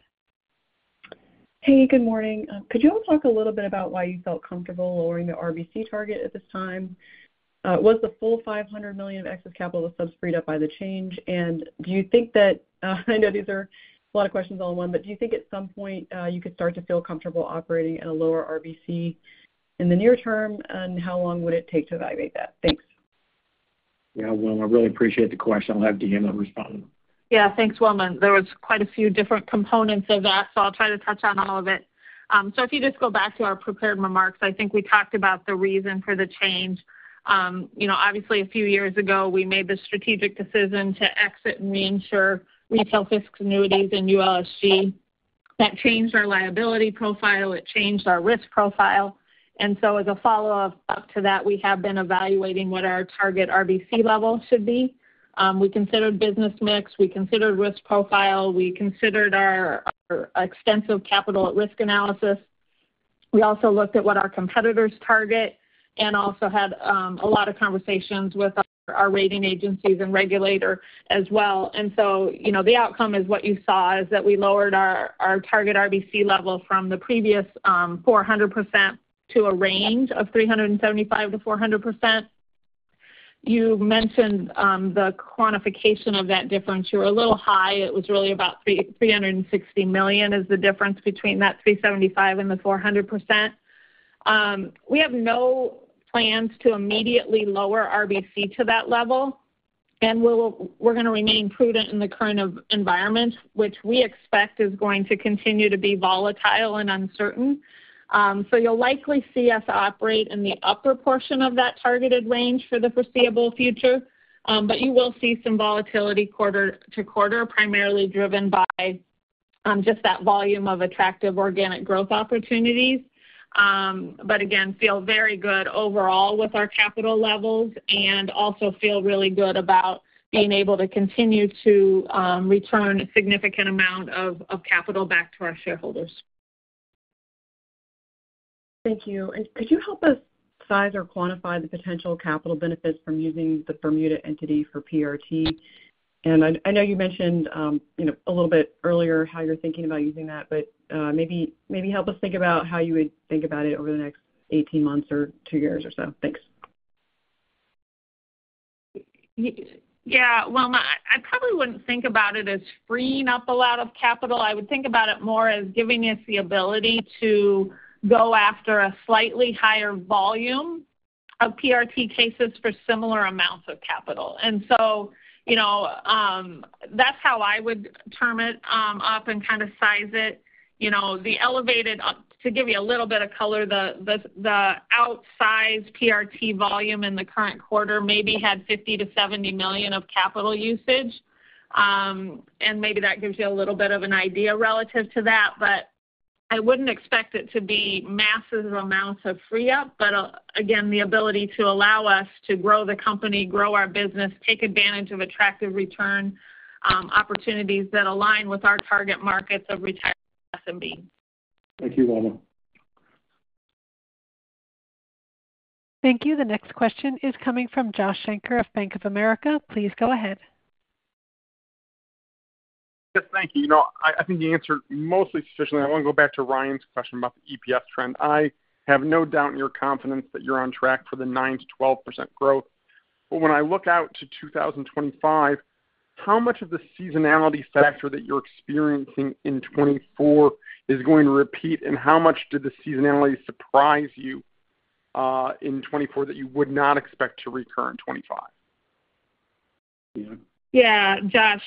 O: Hey, good morning. Could you all talk a little bit about why you felt comfortable lowering the RBC target at this time? Was the full $500 million of excess capital of subs freed up by the change? And do you think that, I know these are a lot of questions all in one, but do you think at some point, you could start to feel comfortable operating at a lower RBC in the near term? And how long would it take to evaluate that? Thanks.
C: Yeah, Wilma, I really appreciate the question. I'll have Deanna respond.
D: Yeah, thanks, Wilma. There was quite a few different components of that, so I'll try to touch on all of it. So if you just go back to our prepared remarks, I think we talked about the reason for the change. You know, obviously, a few years ago, we made the strategic decision to exit and reinsure retail fixed annuities and ULSG. That changed our liability profile, it changed our risk profile, and so as a follow-up to that, we have been evaluating what our target RBC level should be. We considered business mix, we considered risk profile, we considered our, our extensive capital at-risk analysis. We also looked at what our competitors target and also had a lot of conversations with our, our rating agencies and regulator as well. So, you know, the outcome is what you saw, is that we lowered our target RBC level from the previous 400% to a range of 375%-400%. You mentioned the quantification of that difference. You were a little high. It was really about $360 million is the difference between that 375% and the 400%. We have no plans to immediately lower RBC to that level, and we're gonna remain prudent in the current environment, which we expect is going to continue to be volatile and uncertain. So you'll likely see us operate in the upper portion of that targeted range for the foreseeable future, but you will see some volatility quarter-to-quarter, primarily driven by just that volume of attractive organic growth opportunities. But again, feel very good overall with our capital levels and also feel really good about being able to continue to return a significant amount of capital back to our shareholders.
O: Thank you. And could you help us size or quantify the potential capital benefits from using the Bermuda entity for PRT? And I know you mentioned, you know, a little bit earlier how you're thinking about using that, but maybe help us think about how you would think about it over the next 18 months or two years or so. Thanks....
D: Yeah, well, I probably wouldn't think about it as freeing up a lot of capital. I would think about it more as giving us the ability to go after a slightly higher volume of PRT cases for similar amounts of capital. And so, you know, that's how I would term it, often kind of size it. You know, the elevated to give you a little bit of color, the outsized PRT volume in the current quarter maybe had $50 million-$70 million of capital usage. And maybe that gives you a little bit of an idea relative to that. But, again, the ability to allow us to grow the company, grow our business, take advantage of attractive return, opportunities that align with our target markets of retirement SMB.
C: Thank you, Lana.
A: Thank you. The next question is coming from Josh Shanker of Bank of America. Please go ahead.
P: Yes, thank you. You know, I think you answered mostly sufficiently. I want to go back to Ryan's question about the EPS trend. I have no doubt in your confidence that you're on track for the 9%-12% growth. But when I look out to 2025, how much of the seasonality factor that you're experiencing in 2024 is going to repeat, and how much did the seasonality surprise you in 2024 that you would not expect to recur in 2025?
C: Yeah.
D: Yeah, Josh,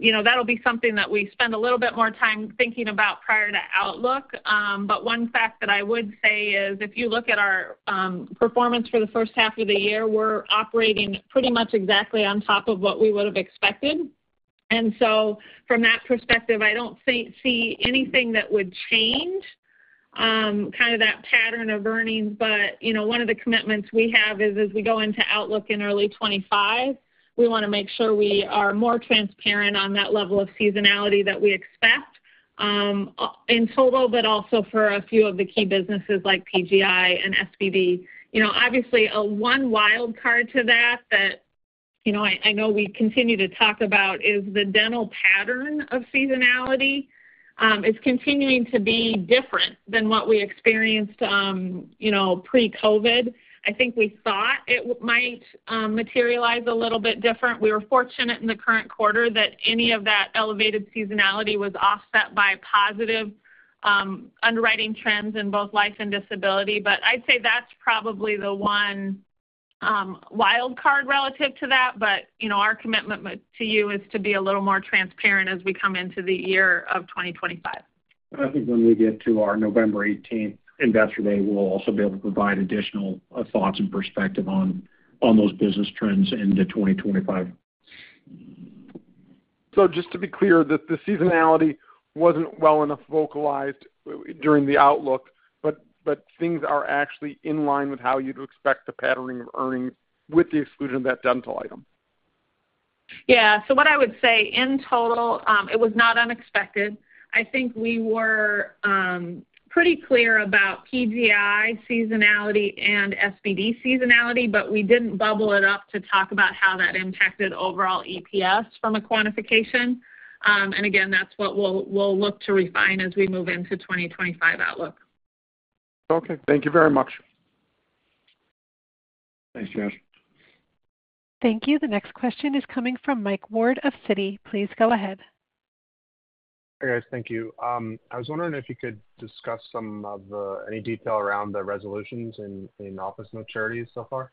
D: you know, that'll be something that we spend a little bit more time thinking about prior to outlook. But one fact that I would say is, if you look at our performance for the first half of the year, we're operating pretty much exactly on top of what we would have expected. And so from that perspective, I don't think we see anything that would change kind of that pattern of earnings. But, you know, one of the commitments we have is as we go into outlook in early 2025, we want to make sure we are more transparent on that level of seasonality that we expect or in total, but also for a few of the key businesses like PGI and SBD. You know, obviously, the one wild card to that, you know, I know we continue to talk about is the annual pattern of seasonality is continuing to be different than what we experienced, you know, pre-COVID. I think we thought it might materialize a little bit different. We were fortunate in the current quarter that any of that elevated seasonality was offset by positive underwriting trends in both life and disability. But I'd say that's probably the one wild card relative to that. But, you know, our commitment to you is to be a little more transparent as we come into the year of 2025.
C: I think when we get to our November 18 Investor Day, we'll also be able to provide additional thoughts and perspective on those business trends into 2025.
P: Just to be clear, that the seasonality wasn't well enough vocalized during the outlook, but, but things are actually in line with how you'd expect the patterning of earnings with the exclusion of that dental item?
D: Yeah. So what I would say, in total, it was not unexpected. I think we were pretty clear about PGI seasonality and SBD seasonality, but we didn't bubble it up to talk about how that impacted overall EPS from a quantification. And again, that's what we'll, we'll look to refine as we move into 2025 outlook.
P: Okay. Thank you very much.
C: Thanks, Josh.
A: Thank you. The next question is coming from Mike Ward of Citi. Please go ahead.
Q: Hey, guys. Thank you. I was wondering if you could discuss some of the, any detail around the resolutions in office maturities so far?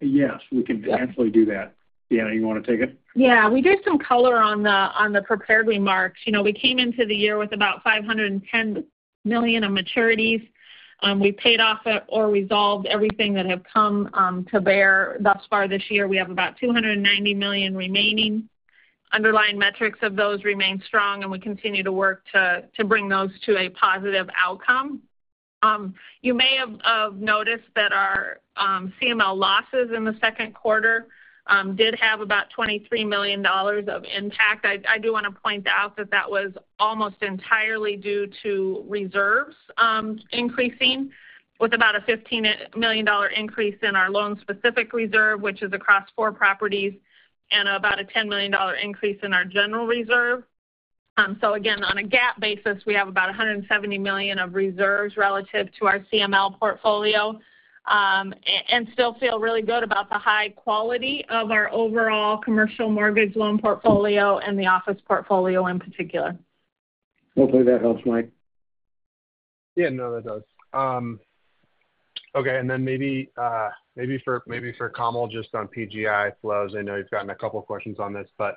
C: Yes, we can definitely do that. Deanna, you want to take it?
D: Yeah. We gave some color on the prepared remarks. You know, we came into the year with about $510 million of maturities. We paid off or resolved everything that have come to bear thus far this year. We have about $290 million remaining. Underlying metrics of those remain strong, and we continue to work to bring those to a positive outcome. You may have noticed that our CML losses in the second quarter did have about $23 million of impact. I do want to point out that that was almost entirely due to reserves increasing, with about a $15 million increase in our loan-specific reserve, which is across four properties, and about a $10 million increase in our general reserve. So again, on a GAAP basis, we have about $170 million of reserves relative to our CML portfolio, and still feel really good about the high quality of our overall commercial mortgage loan portfolio and the office portfolio in particular.
C: Hopefully that helps, Mike.
Q: Yeah, no, that does. Okay, and then maybe for Kamal, just on PGI flows. I know you've gotten a couple of questions on this, but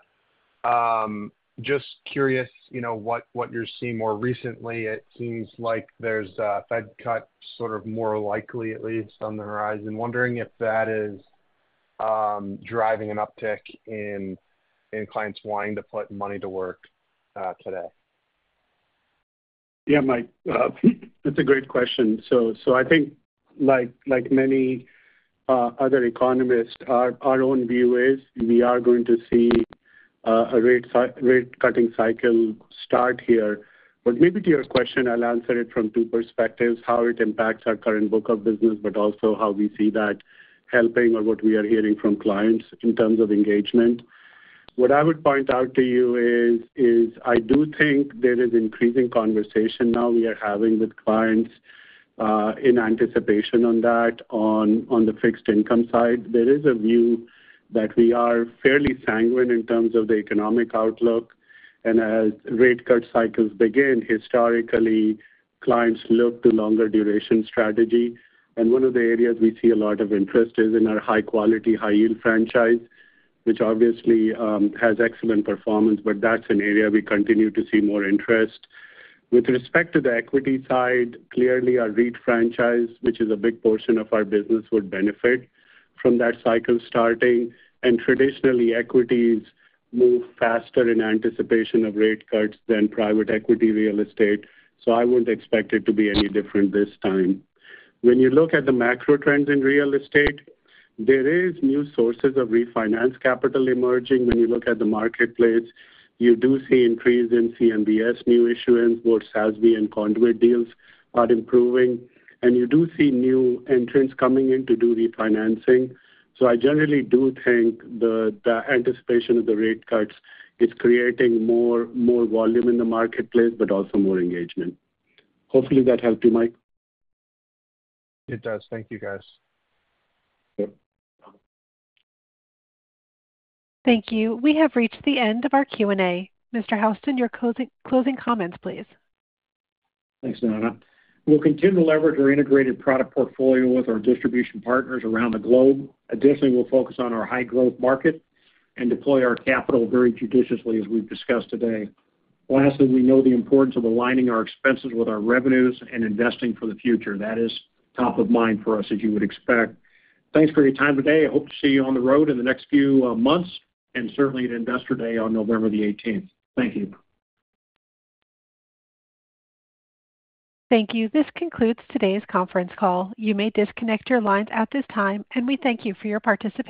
Q: just curious, you know, what you're seeing more recently. It seems like there's a Fed cut, sort of more likely, at least on the horizon. Wondering if that is driving an uptick in clients wanting to put money to work today.
I: Yeah, Mike, that's a great question. So I think like many other economists, our own view is we are going to see a rate cutting cycle start here. But maybe to your question, I'll answer it from two perspectives, how it impacts our current book of business, but also how we see that helping or what we are hearing from clients in terms of engagement... What I would point out to you is I do think there is increasing conversation now we are having with clients in anticipation on that, on the fixed income side. There is a view that we are fairly sanguine in terms of the economic outlook, and as rate cut cycles begin, historically, clients look to longer duration strategy. One of the areas we see a lot of interest is in our high quality, high yield franchise, which obviously has excellent performance, but that's an area we continue to see more interest. With respect to the equity side, clearly, our REIT franchise, which is a big portion of our business, would benefit from that cycle starting. And traditionally, equities move faster in anticipation of rate cuts than private equity real estate, so I wouldn't expect it to be any different this time. When you look at the macro trends in real estate, there is new sources of refinance capital emerging. When you look at the marketplace, you do see increase in CMBS new issuance, both SASB and conduit deals are improving, and you do see new entrants coming in to do refinancing. I generally do think the anticipation of the rate cuts is creating more volume in the marketplace, but also more engagement. Hopefully, that helped you, Mike.
Q: It does. Thank you, guys.
I: Sure.
A: Thank you. We have reached the end of our Q&A. Mr. Houston, your closing comments, please.
C: Thanks, Donna. We'll continue to leverage our integrated product portfolio with our distribution partners around the globe. Additionally, we'll focus on our high-growth market and deploy our capital very judiciously, as we've discussed today. Lastly, we know the importance of aligning our expenses with our revenues and investing for the future. That is top of mind for us, as you would expect. Thanks for your time today. I hope to see you on the road in the next few months, and certainly at Investor Day on November the 18th. Thank you.
A: Thank you. This concludes today's conference call. You may disconnect your lines at this time, and we thank you for your participation.